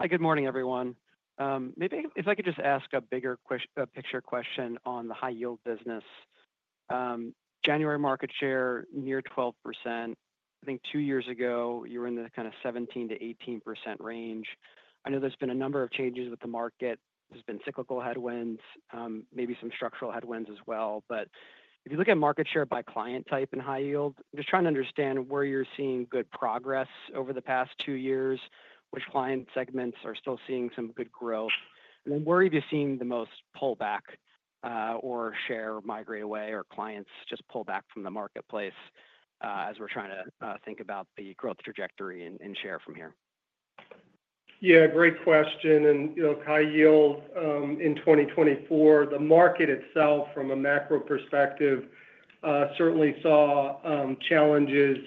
Hi, good morning, everyone. Maybe if I could just ask a bigger picture question on the high yield business. January market share, near 12%. I think two years ago, you were in the kind of 17%-18% range. I know there's been a number of changes with the market. There's been cyclical headwinds, maybe some structural headwinds as well. But if you look at market share by client type in high yield, I'm just trying to understand where you're seeing good progress over the past two years, which client segments are still seeing some good growth. And then where are you seeing the most pullback or share migrate away or clients just pull back from the marketplace as we're trying to think about the growth trajectory and share from here? Yeah, great question, and high yield in 2024, the market itself from a macro perspective certainly saw challenges.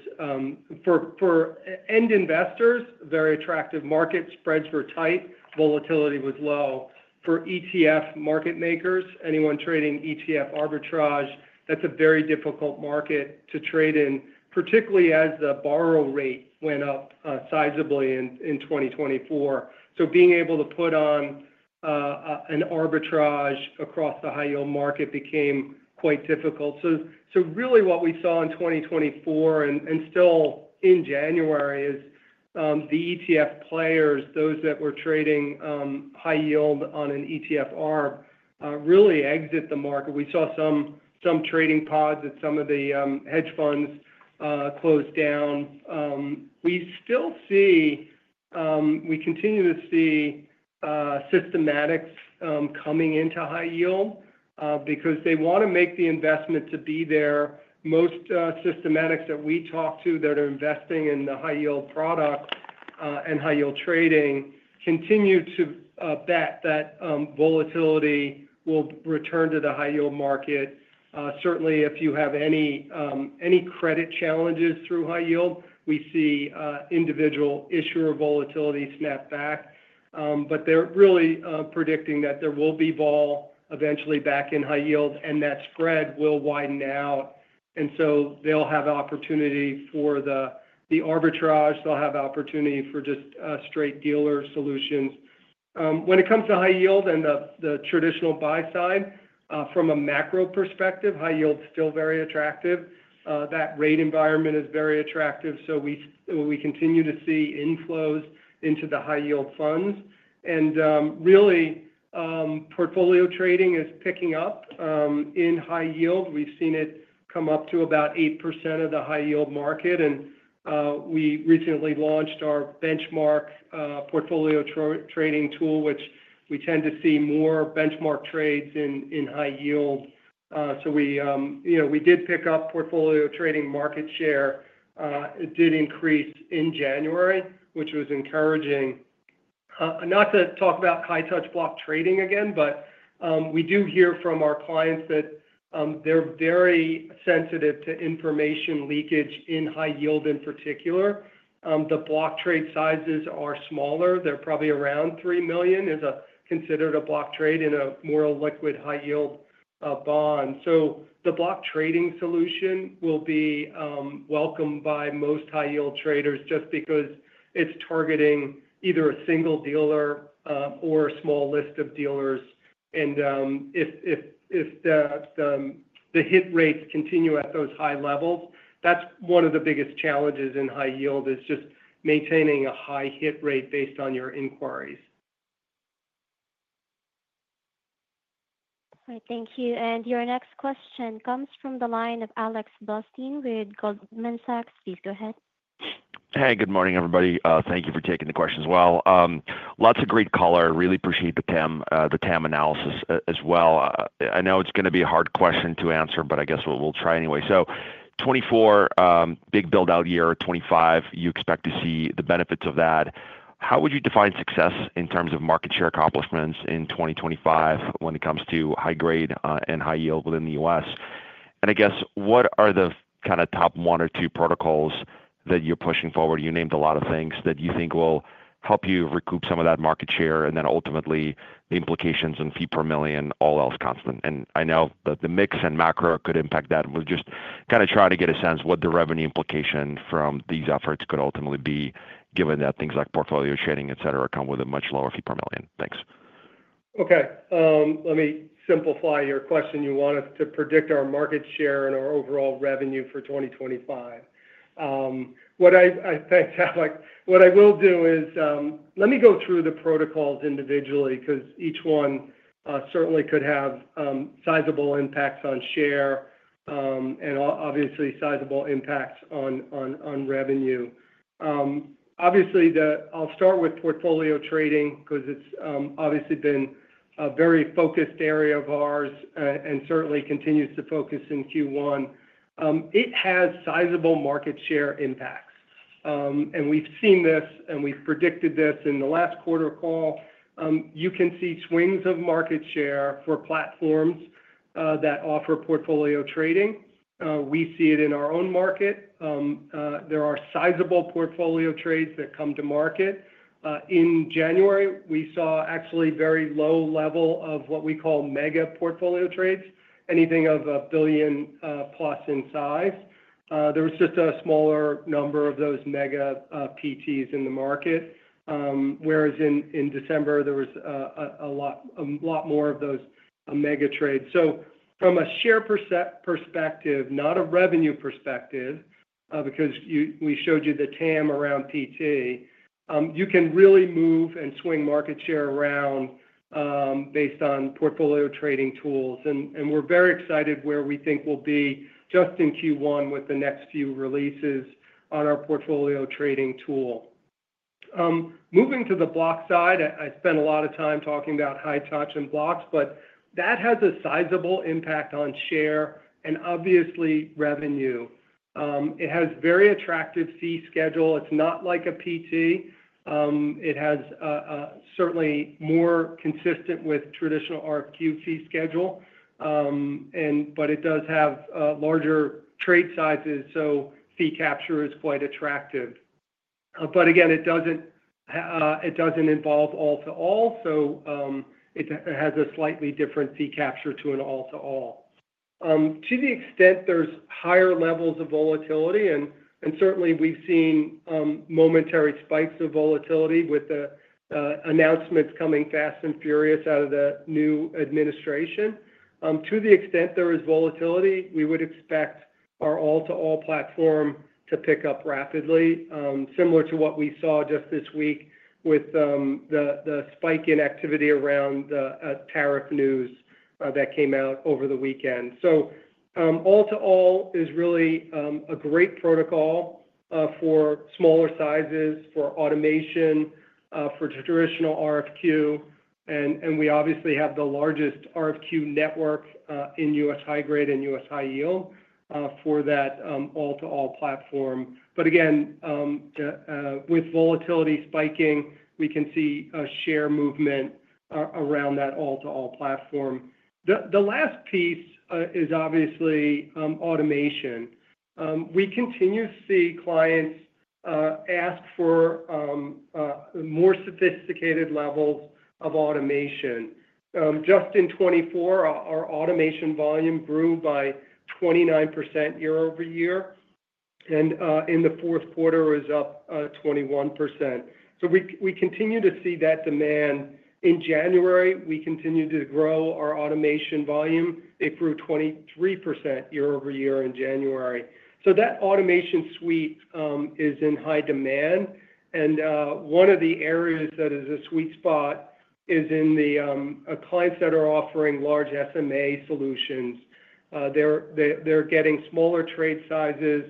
For end investors, very attractive market spreads were tight. Volatility was low. For ETF market makers, anyone trading ETF arbitrage, that's a very difficult market to trade in, particularly as the borrow rate went up sizably in 2024, so being able to put on an arbitrage across the high yield market became quite difficult, so really what we saw in 2024 and still in January is the ETF players, those that were trading high yield on an ETF arb, really exit the market. We saw some trading pods at some of the hedge funds close down. We still see, we continue to see systematics coming into high yield because they want to make the investment to be there. Most systematics that we talk to that are investing in the high yield product and high yield trading continue to bet that volatility will return to the high yield market. Certainly, if you have any credit challenges through high yield, we see individual issuer volatility snap back. But they're really predicting that there will be vol eventually back in high yield and that spread will widen out. And so they'll have opportunity for the arbitrage. They'll have opportunity for just straight dealer solutions. When it comes to high yield and the traditional buy side, from a macro perspective, high yield is still very attractive. That rate environment is very attractive. So we continue to see inflows into the high yield funds. And really, portfolio trading is picking up in high yield. We've seen it come up to about 8% of the high yield market. We recently launched our benchmark portfolio trading tool, which we tend to see more benchmark trades in high yield. We did pick up portfolio trading market share. It did increase in January, which was encouraging. Not to talk about high-touch block trading again, but we do hear from our clients that they're very sensitive to information leakage in high yield in particular. The block trade sizes are smaller. They're probably around $3 million, which is considered a block trade in a more liquid high yield bond. The block trading solution will be welcome by most high yield traders just because it's targeting either a single dealer or a small list of dealers. If the hit rates continue at those high levels, that's one of the biggest challenges in high yield. It is just maintaining a high hit rate based on your inquiries. Thank you. And your next question comes from the line of Alexander Blostein with Goldman Sachs. Please go ahead. Hey, good morning, everybody. Thank you for taking the question as well. Lots of great color. Really appreciate the TAM analysis as well. I know it's going to be a hard question to answer, but I guess we'll try anyway. So 2024, big buildout year, 2025, you expect to see the benefits of that. How would you define success in terms of market share accomplishments in 2025 when it comes to high grade and high yield within the U.S.? And I guess what are the kind of top one or two protocols that you're pushing forward? You named a lot of things that you think will help you recoup some of that market share and then ultimately the implications and fee per million, all else constant. And I know that the mix and macro could impact that. We're just kind of trying to get a sense what the revenue implication from these efforts could ultimately be given that things like portfolio trading, etc., come with a much lower fee per million. Thanks. Okay. Let me simplify your question. You want us to predict our market share and our overall revenue for 2025. What I think I will do is let me go through the protocols individually because each one certainly could have sizable impacts on share and obviously sizable impacts on revenue. Obviously, I'll start with portfolio trading because it's obviously been a very focused area of ours and certainly continues to focus in Q1. It has sizable market share impacts. And we've seen this, and we've predicted this in the last quarter call. You can see swings of market share for platforms that offer portfolio trading. We see it in our own market. There are sizable portfolio trades that come to market. In January, we saw actually very low level of what we call mega portfolio trades, anything of a billion plus in size. There was just a smaller number of those mega PTs in the market, whereas in December, there was a lot more of those mega trades. So from a share perspective, not a revenue perspective, because we showed you the TAM around PT, you can really move and swing market share around based on portfolio trading tools. And we're very excited where we think we'll be just in Q1 with the next few releases on our portfolio trading tool. Moving to the block side, I spent a lot of time talking about high touch and blocks, but that has a sizable impact on share and obviously revenue. It has very attractive fee schedule. It's not like a PT. It has certainly more consistent with traditional RFQ fee schedule, but it does have larger trade sizes. So fee capture is quite attractive. But again, it doesn't involve all-to-all. So it has a slightly different fee capture to an all-to-all. To the extent there's higher levels of volatility, and certainly we've seen momentary spikes of volatility with the announcements coming fast and furious out of the new administration. To the extent there is volatility, we would expect our all-to-all platform to pick up rapidly, similar to what we saw just this week with the spike in activity around the tariff news that came out over the weekend. So all-to-all is really a great protocol for smaller sizes, for automation, for traditional RFQ. And we obviously have the largest RFQ network in U.S. high-grade and U.S. high-yield for that all-to-all platform. But again, with volatility spiking, we can see a share movement around that all-to-all platform. The last piece is obviously automation. We continue to see clients ask for more sophisticated levels of automation. Just in 2024, our automation volume grew by 29% year-over-year. And in the fourth quarter, it was up 21%. So we continue to see that demand. In January, we continue to grow our automation volume. It grew 23% year-over-year in January. So that automation suite is in high demand. And one of the areas that is a sweet spot is in the clients that are offering large SMA solutions. They're getting smaller trade sizes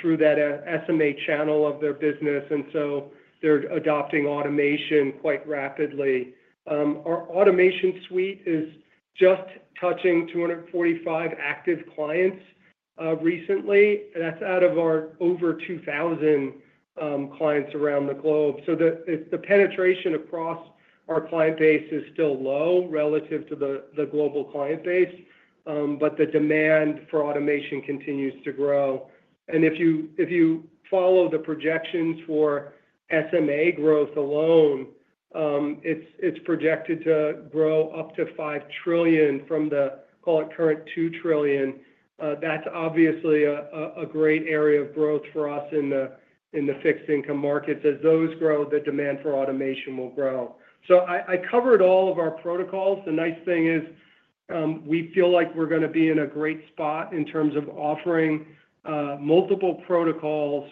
through that SMA channel of their business. And so they're adopting automation quite rapidly. Our automation suite is just touching 245 active clients recently. That's out of our over 2,000 clients around the globe. So the penetration across our client base is still low relative to the global client base, but the demand for automation continues to grow. And if you follow the projections for SMA growth alone, it's projected to grow up to $5 trillion from the, call it current $2 trillion. That's obviously a great area of growth for us in the fixed income markets. As those grow, the demand for automation will grow. So I covered all of our protocols. The nice thing is we feel like we're going to be in a great spot in terms of offering multiple protocols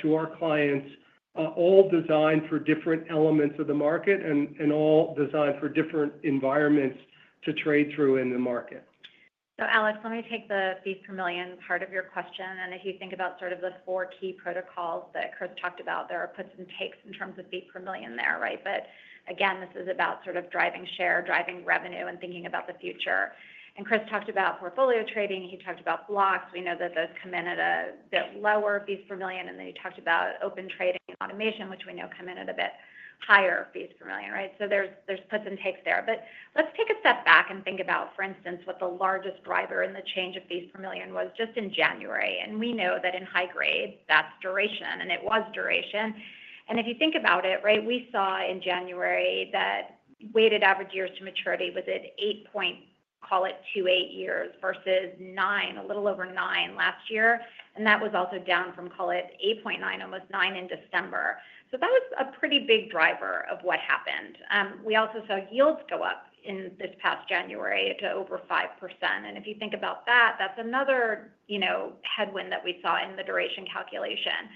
to our clients, all designed for different elements of the market and all designed for different environments to trade through in the market. So Alex, let me take the fee per million part of your question. And if you think about sort of the four key protocols that Chris talked about, there are puts and takes in terms of fee per million there, right? But again, this is about sort of driving share, driving revenue, and thinking about the future. And Chris talked about portfolio trading. He talked about blocks. We know that those come in at a bit lower fees per million. And then he talked about open trading automation, which we know come in at a bit higher fees per million, right? So there's puts and takes there. But let's take a step back and think about, for instance, what the largest driver in the change of fees per million was just in January. And we know that in high grade, that's duration. And it was duration. And if you think about it, right, we saw in January that weighted average years to maturity was at 8.28 years versus nine, a little over nine last year. And that was also down from, call it 8.9, almost nine in December. So that was a pretty big driver of what happened. We also saw yields go up in this past January to over 5%. And if you think about that, that's another headwind that we saw in the duration calculation.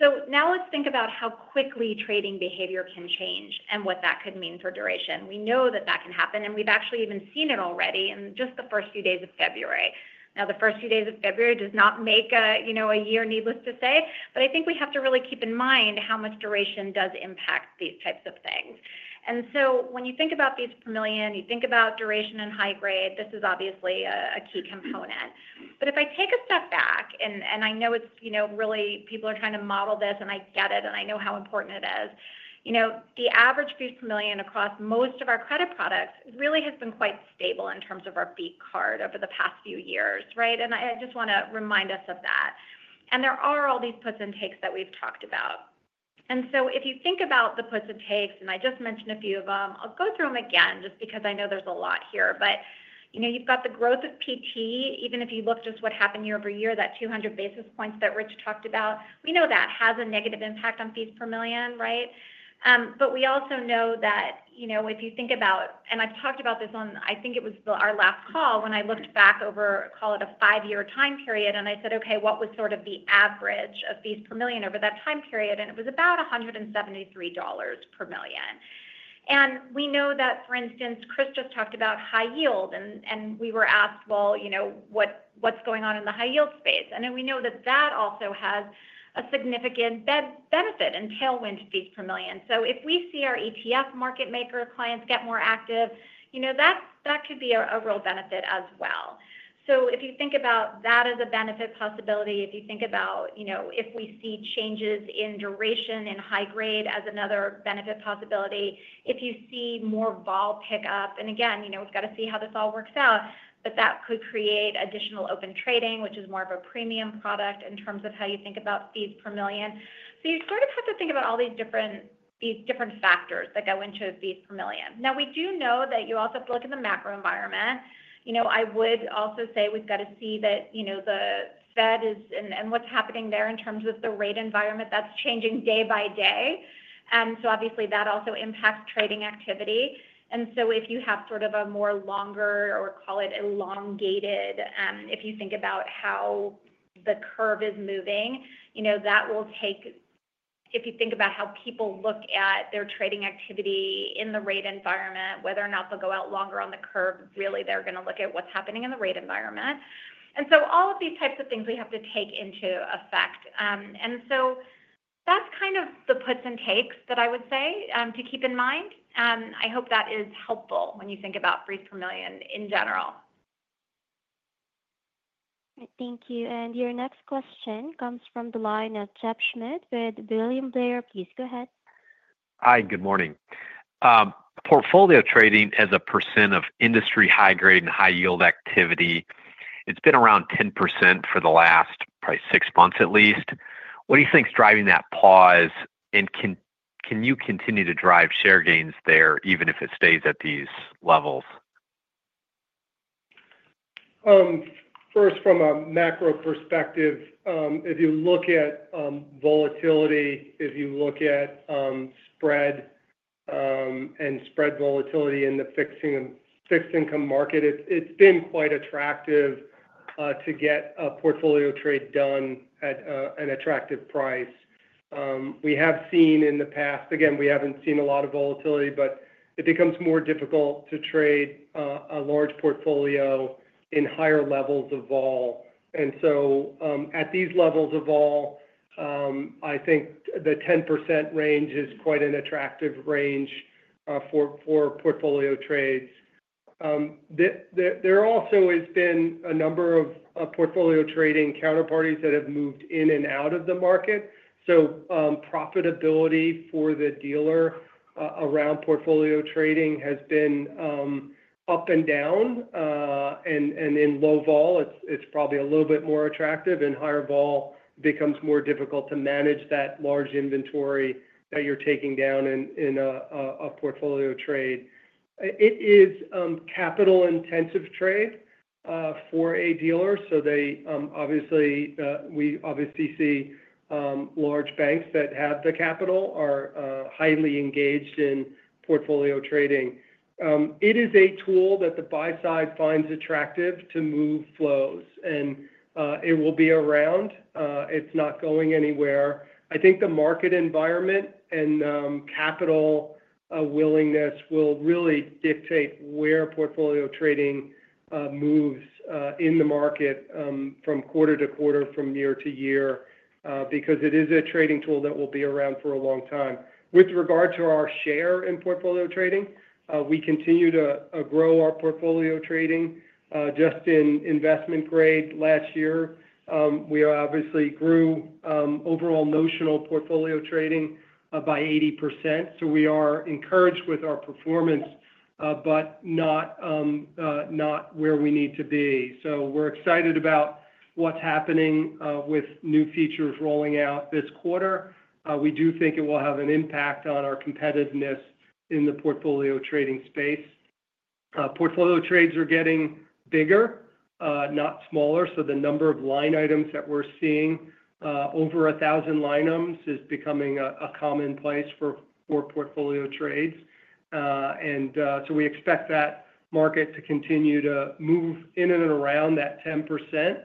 So now let's think about how quickly trading behavior can change and what that could mean for duration. We know that that can happen. And we've actually even seen it already in just the first few days of February. Now, the first few days of February does not make a year, needless to say, but I think we have to really keep in mind how much duration does impact these types of things. And so when you think about fees per million, you think about duration and high-grade, this is obviously a key component. But if I take a step back, and I know it's really people are trying to model this, and I get it, and I know how important it is, the average fees per million across most of our credit products really has been quite stable in terms of our fee capture over the past few years, right? I just want to remind us of that. There are all these puts and takes that we've talked about. And so if you think about the puts and takes, and I just mentioned a few of them, I'll go through them again just because I know there's a lot here. But you've got the growth of PT. Even if you look just what happened year-over-year, that 200 basis points that Rich talked about, we know that has a negative impact on fees per million, right? But we also know that if you think about, and I've talked about this on, I think it was our last call when I looked back over, call it a five-year time period, and I said, okay, what was sort of the average of fees per million over that time period? And it was about $173 per million. And we know that, for instance, Chris just talked about high yield. We were asked, well, what's going on in the high yield space? We know that that also has a significant benefit in tailwind fees per million. If we see our ETF market maker clients get more active, that could be a real benefit as well. If you think about that as a benefit possibility, if you think about if we see changes in duration in high grade as another benefit possibility, if you see more vol pickup, and again, we've got to see how this all works out, but that could create additional Open Trading, which is more of a premium product in terms of how you think about fees per million. You sort of have to think about all these different factors that go into fees per million. We do know that you also have to look at the macro environment. I would also say we've got to see that the Fed is and what's happening there in terms of the rate environment, that's changing day by day. And so obviously that also impacts trading activity. And so if you have sort of a more longer or call it elongated, if you think about how the curve is moving, that will take if you think about how people look at their trading activity in the rate environment, whether or not they'll go out longer on the curve, really they're going to look at what's happening in the rate environment. And so all of these types of things we have to take into effect. And so that's kind of the puts and takes that I would say to keep in mind. I hope that is helpful when you think about fees per million in general. Thank you. And your next question comes from the line of Jeff Schmitt with William Blair. Please go ahead. Hi, good morning. Portfolio trading as a percent of industry high grade and high yield activity, it's been around 10% for the last probably six months at least. What do you think's driving that pause, and can you continue to drive share gains there even if it stays at these levels? First, from a macro perspective, if you look at volatility, if you look at spread and spread volatility in the fixed income market, it's been quite attractive to get a portfolio trade done at an attractive price. We have seen in the past, again, we haven't seen a lot of volatility, but it becomes more difficult to trade a large portfolio in higher levels of vol. And so at these levels of vol, I think the 10% range is quite an attractive range for portfolio trades. There also has been a number of portfolio trading counterparties that have moved in and out of the market. So profitability for the dealer around portfolio trading has been up and down. And in low vol, it's probably a little bit more attractive. In higher vol, it becomes more difficult to manage that large inventory that you're taking down in a portfolio trade. It is capital-intensive trade for a dealer. So obviously, we obviously see large banks that have the capital are highly engaged in portfolio trading. It is a tool that the buy side finds attractive to move flows, and it will be around. It's not going anywhere. I think the market environment and capital willingness will really dictate where portfolio trading moves in the market from quarter to quarter, from year to year, because it is a trading tool that will be around for a long time. With regard to our share in portfolio trading, we continue to grow our portfolio trading. Just in investment grade last year, we obviously grew overall notional portfolio trading by 80%, so we are encouraged with our performance, but not where we need to be, so we're excited about what's happening with new features rolling out this quarter. We do think it will have an impact on our competitiveness in the portfolio trading space. Portfolio trades are getting bigger, not smaller. So the number of line items that we're seeing, over 1,000 line items, is becoming a commonplace for portfolio trades. And so we expect that market to continue to move in and around that 10%.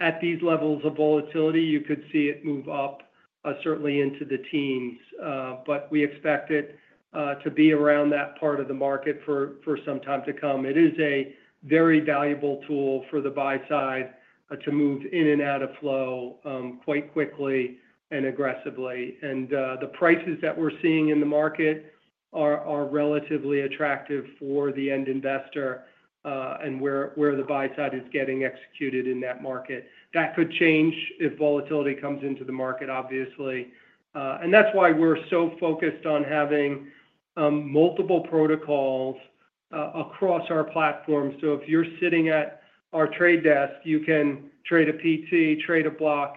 At these levels of volatility, you could see it move up, certainly into the teens. But we expect it to be around that part of the market for some time to come. It is a very valuable tool for the buy side to move in and out of flow quite quickly and aggressively. And the prices that we're seeing in the market are relatively attractive for the end investor and where the buy side is getting executed in that market. That could change if volatility comes into the market, obviously. And that's why we're so focused on having multiple protocols across our platform. So if you're sitting at our trade desk, you can trade a PT, trade a block,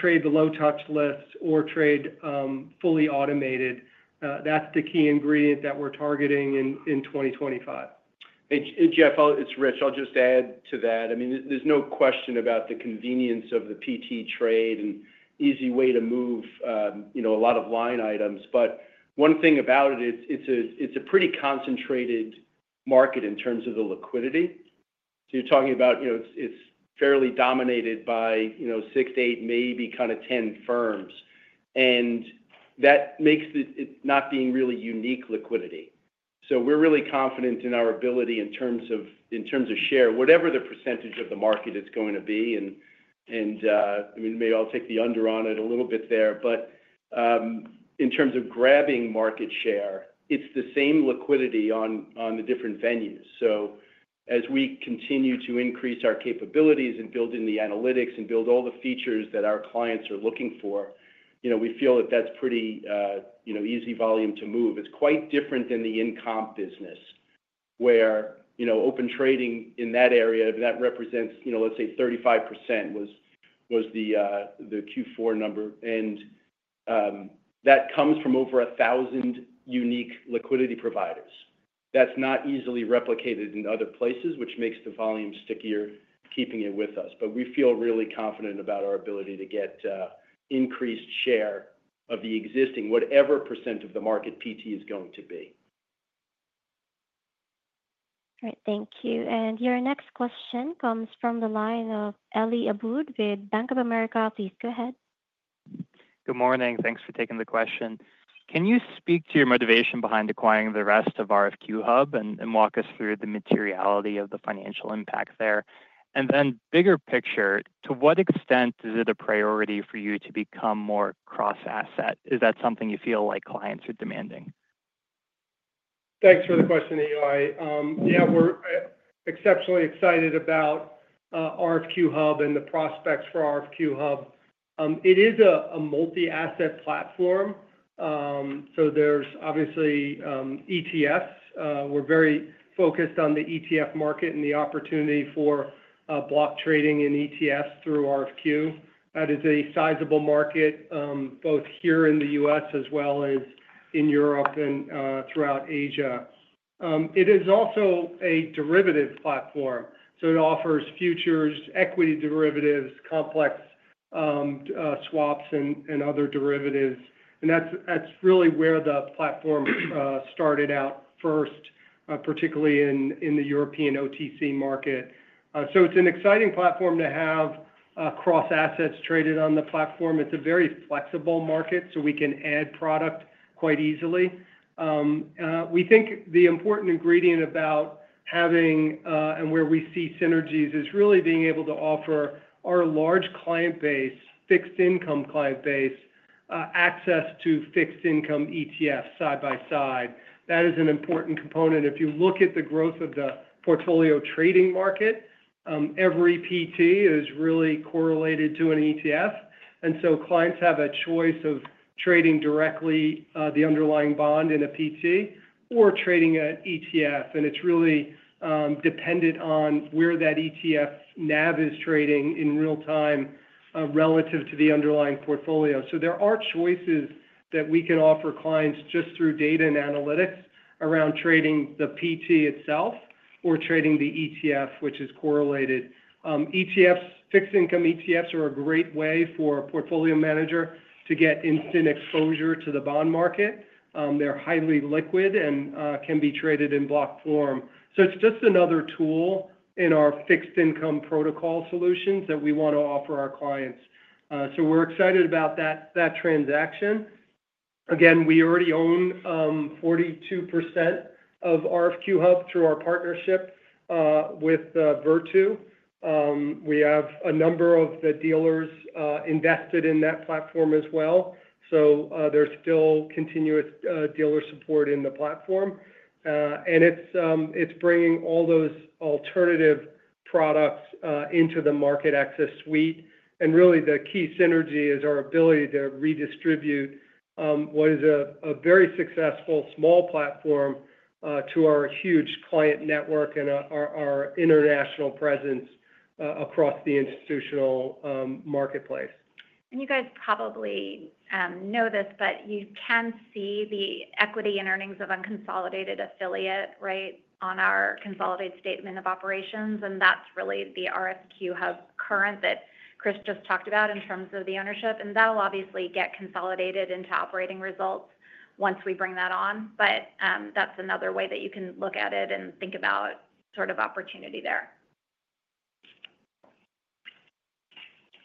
trade the low touch list, or trade fully automated. That's the key ingredient that we're targeting in 2025. Jeff, it's Rich. I'll just add to that. I mean, there's no question about the convenience of the PT trade and easy way to move a lot of line items. But one thing about it, it's a pretty concentrated market in terms of the liquidity. So you're talking about it's fairly dominated by six, eight, maybe kind of 10 firms. And that makes it not being really unique liquidity. So we're really confident in our ability in terms of share, whatever the percentage of the market it's going to be. And I mean, maybe I'll take the under on it a little bit there. But in terms of grabbing market share, it's the same liquidity on the different venues. So as we continue to increase our capabilities and build in the analytics and build all the features that our clients are looking for, we feel that that's pretty easy volume to move. It's quite different than the income business where open trading in that area, that represents, let's say, 35% was the Q4 number. And that comes from over 1,000 unique liquidity providers. That's not easily replicated in other places, which makes the volume stickier, keeping it with us. But we feel really confident about our ability to get increased share of the existing, whatever percent of the market PT is going to be. All right. Thank you. And your next question comes from the line of Eli Abboud with Bank of America. Please go ahead. Good morning. Thanks for taking the question. Can you speak to your motivation behind acquiring the rest of RFQ-hub and walk us through the materiality of the financial impact there? And then bigger picture, to what extent is it a priority for you to become more cross-asset? Is that something you feel like clients are demanding? Thanks for the question, Eli. Yeah, we're exceptionally excited about RFQ-hub and the prospects for RFQ-hub. It is a multi-asset platform, so there's obviously ETFs. We're very focused on the ETF market and the opportunity for block trading in ETFs through RFQ. That is a sizable market both here in the U.S. as well as in Europe and throughout Asia. It is also a derivative platform, so it offers futures, equity derivatives, complex swaps, and other derivatives. And that's really where the platform started out first, particularly in the European OTC market, so it's an exciting platform to have cross-assets traded on the platform. It's a very flexible market, so we can add product quite easily. We think the important ingredient about having and where we see synergies is really being able to offer our large client base, fixed income client base, access to fixed income ETFs side by side. That is an important component. If you look at the growth of the portfolio trading market, every PT is really correlated to an ETF, and so clients have a choice of trading directly the underlying bond in a PT or trading an ETF, and it's really dependent on where that ETF NAV is trading in real time relative to the underlying portfolio, so there are choices that we can offer clients just through data and analytics around trading the PT itself or trading the ETF, which is correlated. ETFs, fixed income ETFs are a great way for a portfolio manager to get instant exposure to the bond market. They're highly liquid and can be traded in block form. So it's just another tool in our fixed income protocol solutions that we want to offer our clients. So we're excited about that transaction. Again, we already own 42% of RFQ Hub through our partnership with Virtu. We have a number of the dealers invested in that platform as well. So there's still continuous dealer support in the platform. And it's bringing all those alternative products into the MarketAxess suite. And really, the key synergy is our ability to redistribute what is a very successful small platform to our huge client network and our international presence across the institutional marketplace. You guys probably know this, but you can see the equity and earnings of unconsolidated affiliate, right, on our consolidated statement of operations. That's really the RFQ Hub current that Chris just talked about in terms of the ownership. That will obviously get consolidated into operating results once we bring that on. But that's another way that you can look at it and think about sort of opportunity there.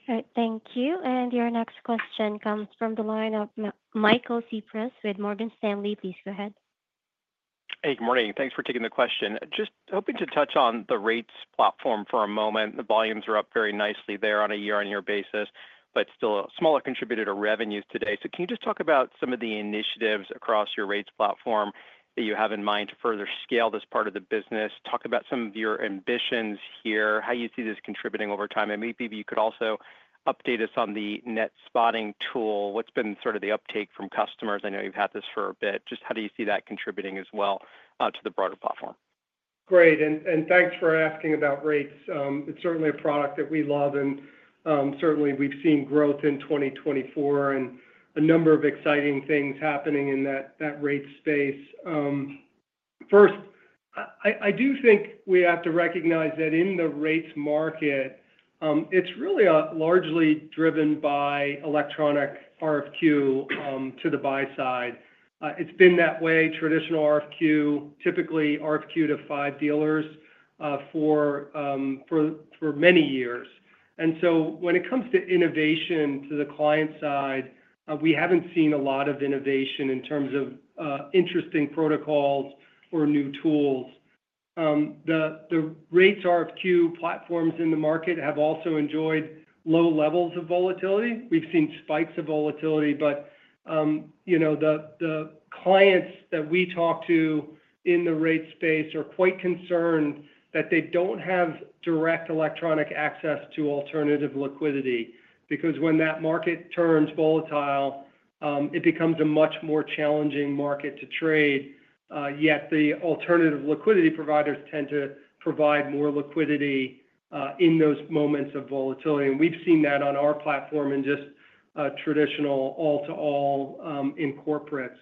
All right. Thank you. And your next question comes from the line of Michael Cyprys with Morgan Stanley. Please go ahead. Hey, good morning. Thanks for taking the question. Just hoping to touch on the Rates platform for a moment. The volumes are up very nicely there on a year-on-year basis, but still a smaller contributor to revenues today. So can you just talk about some of the initiatives across your Rates platform that you have in mind to further scale this part of the business? Talk about some of your ambitions here, how you see this contributing over time. And maybe you could also update us on the net hedging tool. What's been sort of the uptake from customers? I know you've had this for a bit. Just how do you see that contributing as well to the broader platform? Great and thanks for asking about Rates. It's certainly a product that we love and certainly, we've seen growth in 2024 and a number of exciting things happening in that Rates space. First, I do think we have to recognize that in the Rates market, it's really largely driven by electronic RFQ to the buy side. It's been that way, traditional RFQ, typically RFQ to five dealers for many years and so when it comes to innovation to the client side, we haven't seen a lot of innovation in terms of interesting protocols or new tools. The Rates RFQ platforms in the market have also enjoyed low levels of volatility. We've seen spikes of volatility. The clients that we talk to in the Rates space are quite concerned that they don't have direct electronic access to alternative liquidity because when that market turns volatile, it becomes a much more challenging market to trade. Yet the alternative liquidity providers tend to provide more liquidity in those moments of volatility. And we've seen that on our platform in just traditional all-to-all in corporates.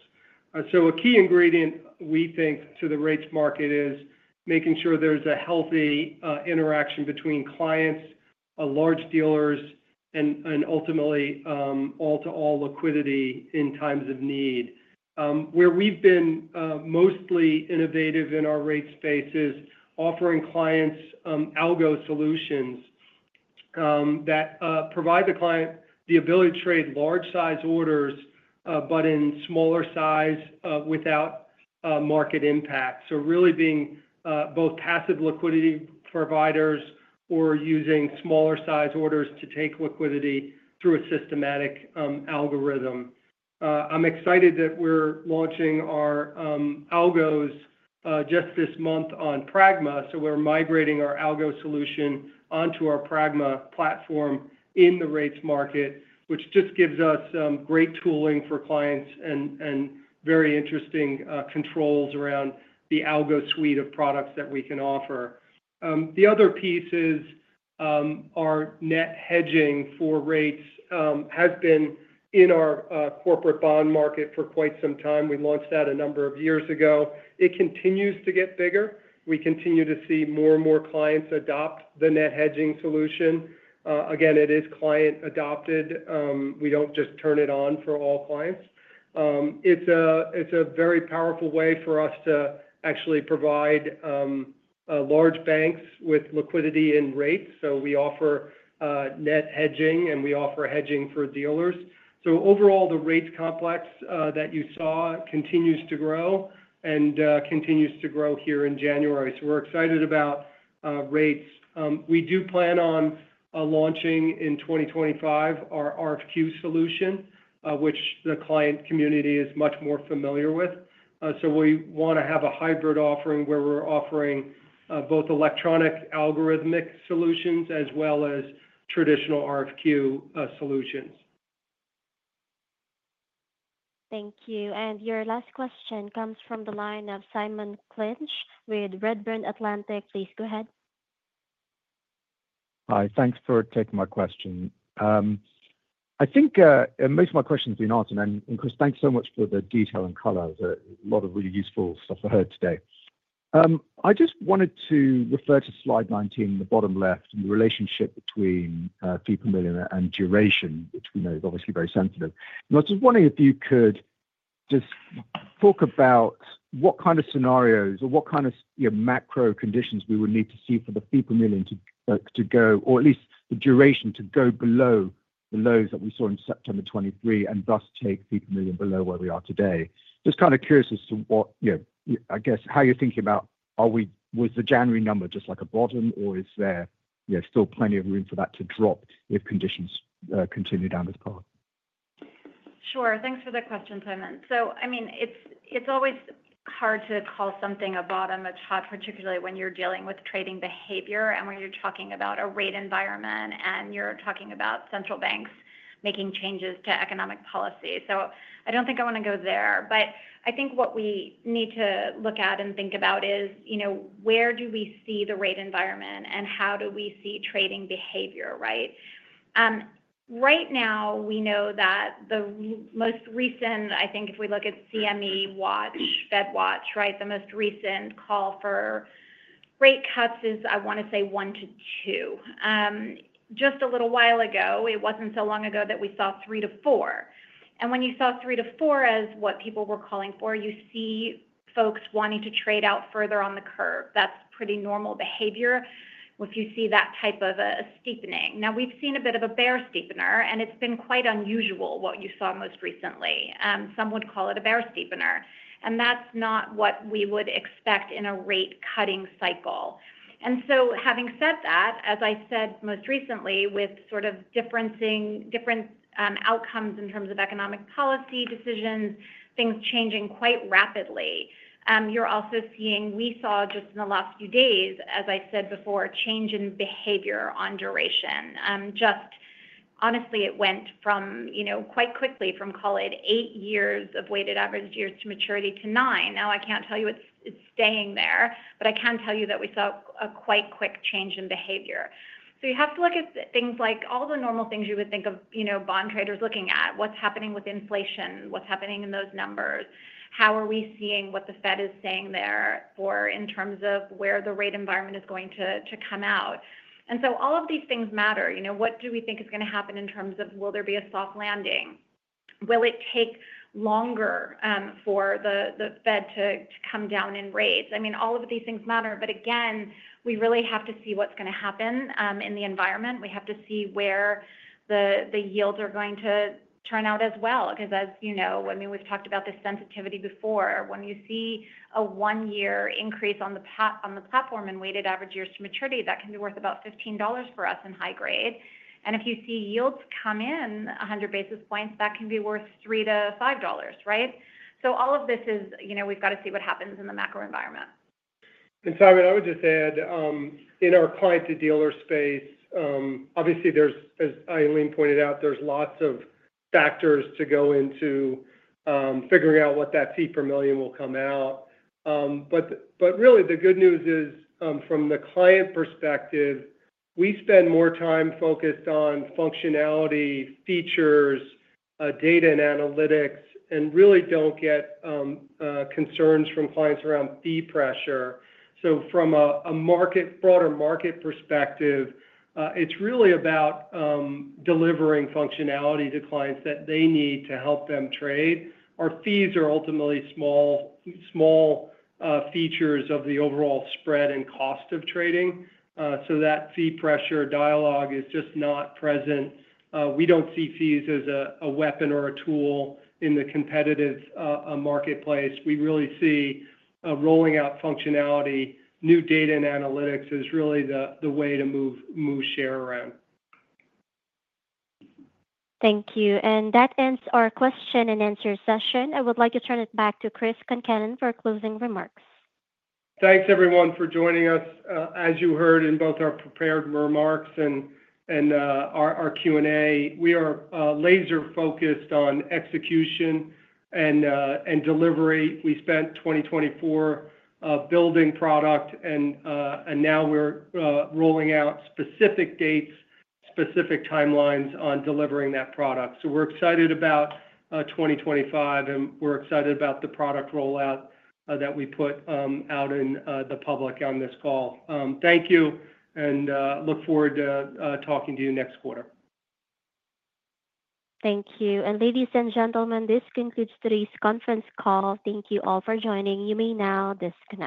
So a key ingredient, we think, to the Rates market is making sure there's a healthy interaction between clients, large dealers, and ultimately all-to-all liquidity in times of need. Where we've been mostly innovative in our Rates space is offering clients algo solutions that provide the client the ability to trade large-size orders, but in smaller size without market impact. So really being both passive liquidity providers or using smaller-size orders to take liquidity through a systematic algorithm. I'm excited that we're launching our algos just this month on Pragma. So we're migrating our algo solution onto our Pragma platform in the Rates market, which just gives us great tooling for clients and very interesting controls around the algo suite of products that we can offer. The other piece is our net hedging for Rates has been in our corporate bond market for quite some time. We launched that a number of years ago. It continues to get bigger. We continue to see more and more clients adopt the net hedging solution. Again, it is client-adopted. We don't just turn it on for all clients. It's a very powerful way for us to actually provide large banks with liquidity in Rates. So we offer net hedging, and we offer hedging for dealers. So overall, the Rates complex that you saw continues to grow and continues to grow here in January. So we're excited about Rates. We do plan on launching in 2025 our RFQ solution, which the client community is much more familiar with. So we want to have a hybrid offering where we're offering both electronic algorithmic solutions as well as traditional RFQ solutions. Thank you. And your last question comes from the line of Simon Clinch with Redburn Atlantic. Please go ahead. Hi. Thanks for taking my question. I think most of my questions have been answered. And Chris, thanks so much for the detail and color. There's a lot of really useful stuff I heard today. I just wanted to refer to slide 19 in the bottom left and the relationship between fee per million and duration, which we know is obviously very sensitive. And I was just wondering if you could just talk about what kind of scenarios or what kind of macro conditions we would need to see for the fee per million to go, or at least the duration to go below the lows that we saw in September 2023 and thus take fee per million below where we are today. Just kind of curious as to what, I guess, how you're thinking about, was the January number just like a bottom, or is there still plenty of room for that to drop if conditions continue down this path? Sure. Thanks for the question, Simon. So I mean, it's always hard to call something a bottom of chart, particularly when you're dealing with trading behavior and when you're talking about a rate environment and you're talking about central banks making changes to economic policy. So I don't think I want to go there. But I think what we need to look at and think about is where do we see the rate environment and how do we see trading behavior, right? Right now, we know that the most recent, I think if we look at CME FedWatch, right, the most recent call for rate cuts is, I want to say, one to two. Just a little while ago, it wasn't so long ago that we saw three to four. When you saw three to four as what people were calling for, you see folks wanting to trade out further on the curve. That's pretty normal behavior if you see that type of a steepening. Now, we've seen a bit of a bear steepener, and it's been quite unusual what you saw most recently. Some would call it a bear steepener, and that's not what we would expect in a rate-cutting cycle. So, having said that, as I said most recently, with sort of different outcomes in terms of economic policy decisions, things changing quite rapidly, you're also seeing we saw just in the last few days, as I said before, a change in behavior on duration. Just honestly, it went quite quickly from, call it, eight years of weighted average years to maturity to nine. Now, I can't tell you it's staying there, but I can tell you that we saw a quite quick change in behavior. So you have to look at things like all the normal things you would think of bond traders looking at, what's happening with inflation, what's happening in those numbers, how are we seeing what the Fed is saying there in terms of where the rate environment is going to come out. And so all of these things matter. What do we think is going to happen in terms of will there be a soft landing? Will it take longer for the Fed to come down in rates? I mean, all of these things matter. But again, we really have to see what's going to happen in the environment. We have to see where the yields are going to turn out as well. Because as you know, I mean, we've talked about the sensitivity before. When you see a one-year increase on the platform in weighted average years to maturity, that can be worth about $15 for us in high grade. And if you see yields come in 100 basis points, that can be worth three to five dollars, right? So all of this is, we've got to see what happens in the macro environment. And Simon, I would just add, in our client-to-dealer space, obviously, as Ilene pointed out, there's lots of factors to go into figuring out what that fee per million will come out. But really, the good news is from the client perspective, we spend more time focused on functionality, features, data and analytics, and really don't get concerns from clients around fee pressure. So from a broader market perspective, it's really about delivering functionality to clients that they need to help them trade. Our fees are ultimately small features of the overall spread and cost of trading. So that fee pressure dialogue is just not present. We don't see fees as a weapon or a tool in the competitive marketplace. We really see rolling out functionality, new data and analytics as really the way to move share around. Thank you. And that ends our question and answer session. I would like to turn it back to Chris Concannon for closing remarks. Thanks, everyone, for joining us. As you heard in both our prepared remarks and our Q&A, we are laser-focused on execution and delivery. We spent 2024 building product, and now we're rolling out specific dates, specific timelines on delivering that product. So we're excited about 2025, and we're excited about the product rollout that we put out in the public on this call. Thank you, and look forward to talking to you next quarter. Thank you. And ladies and gentlemen, this concludes today's conference call. Thank you all for joining. You may now disconnect.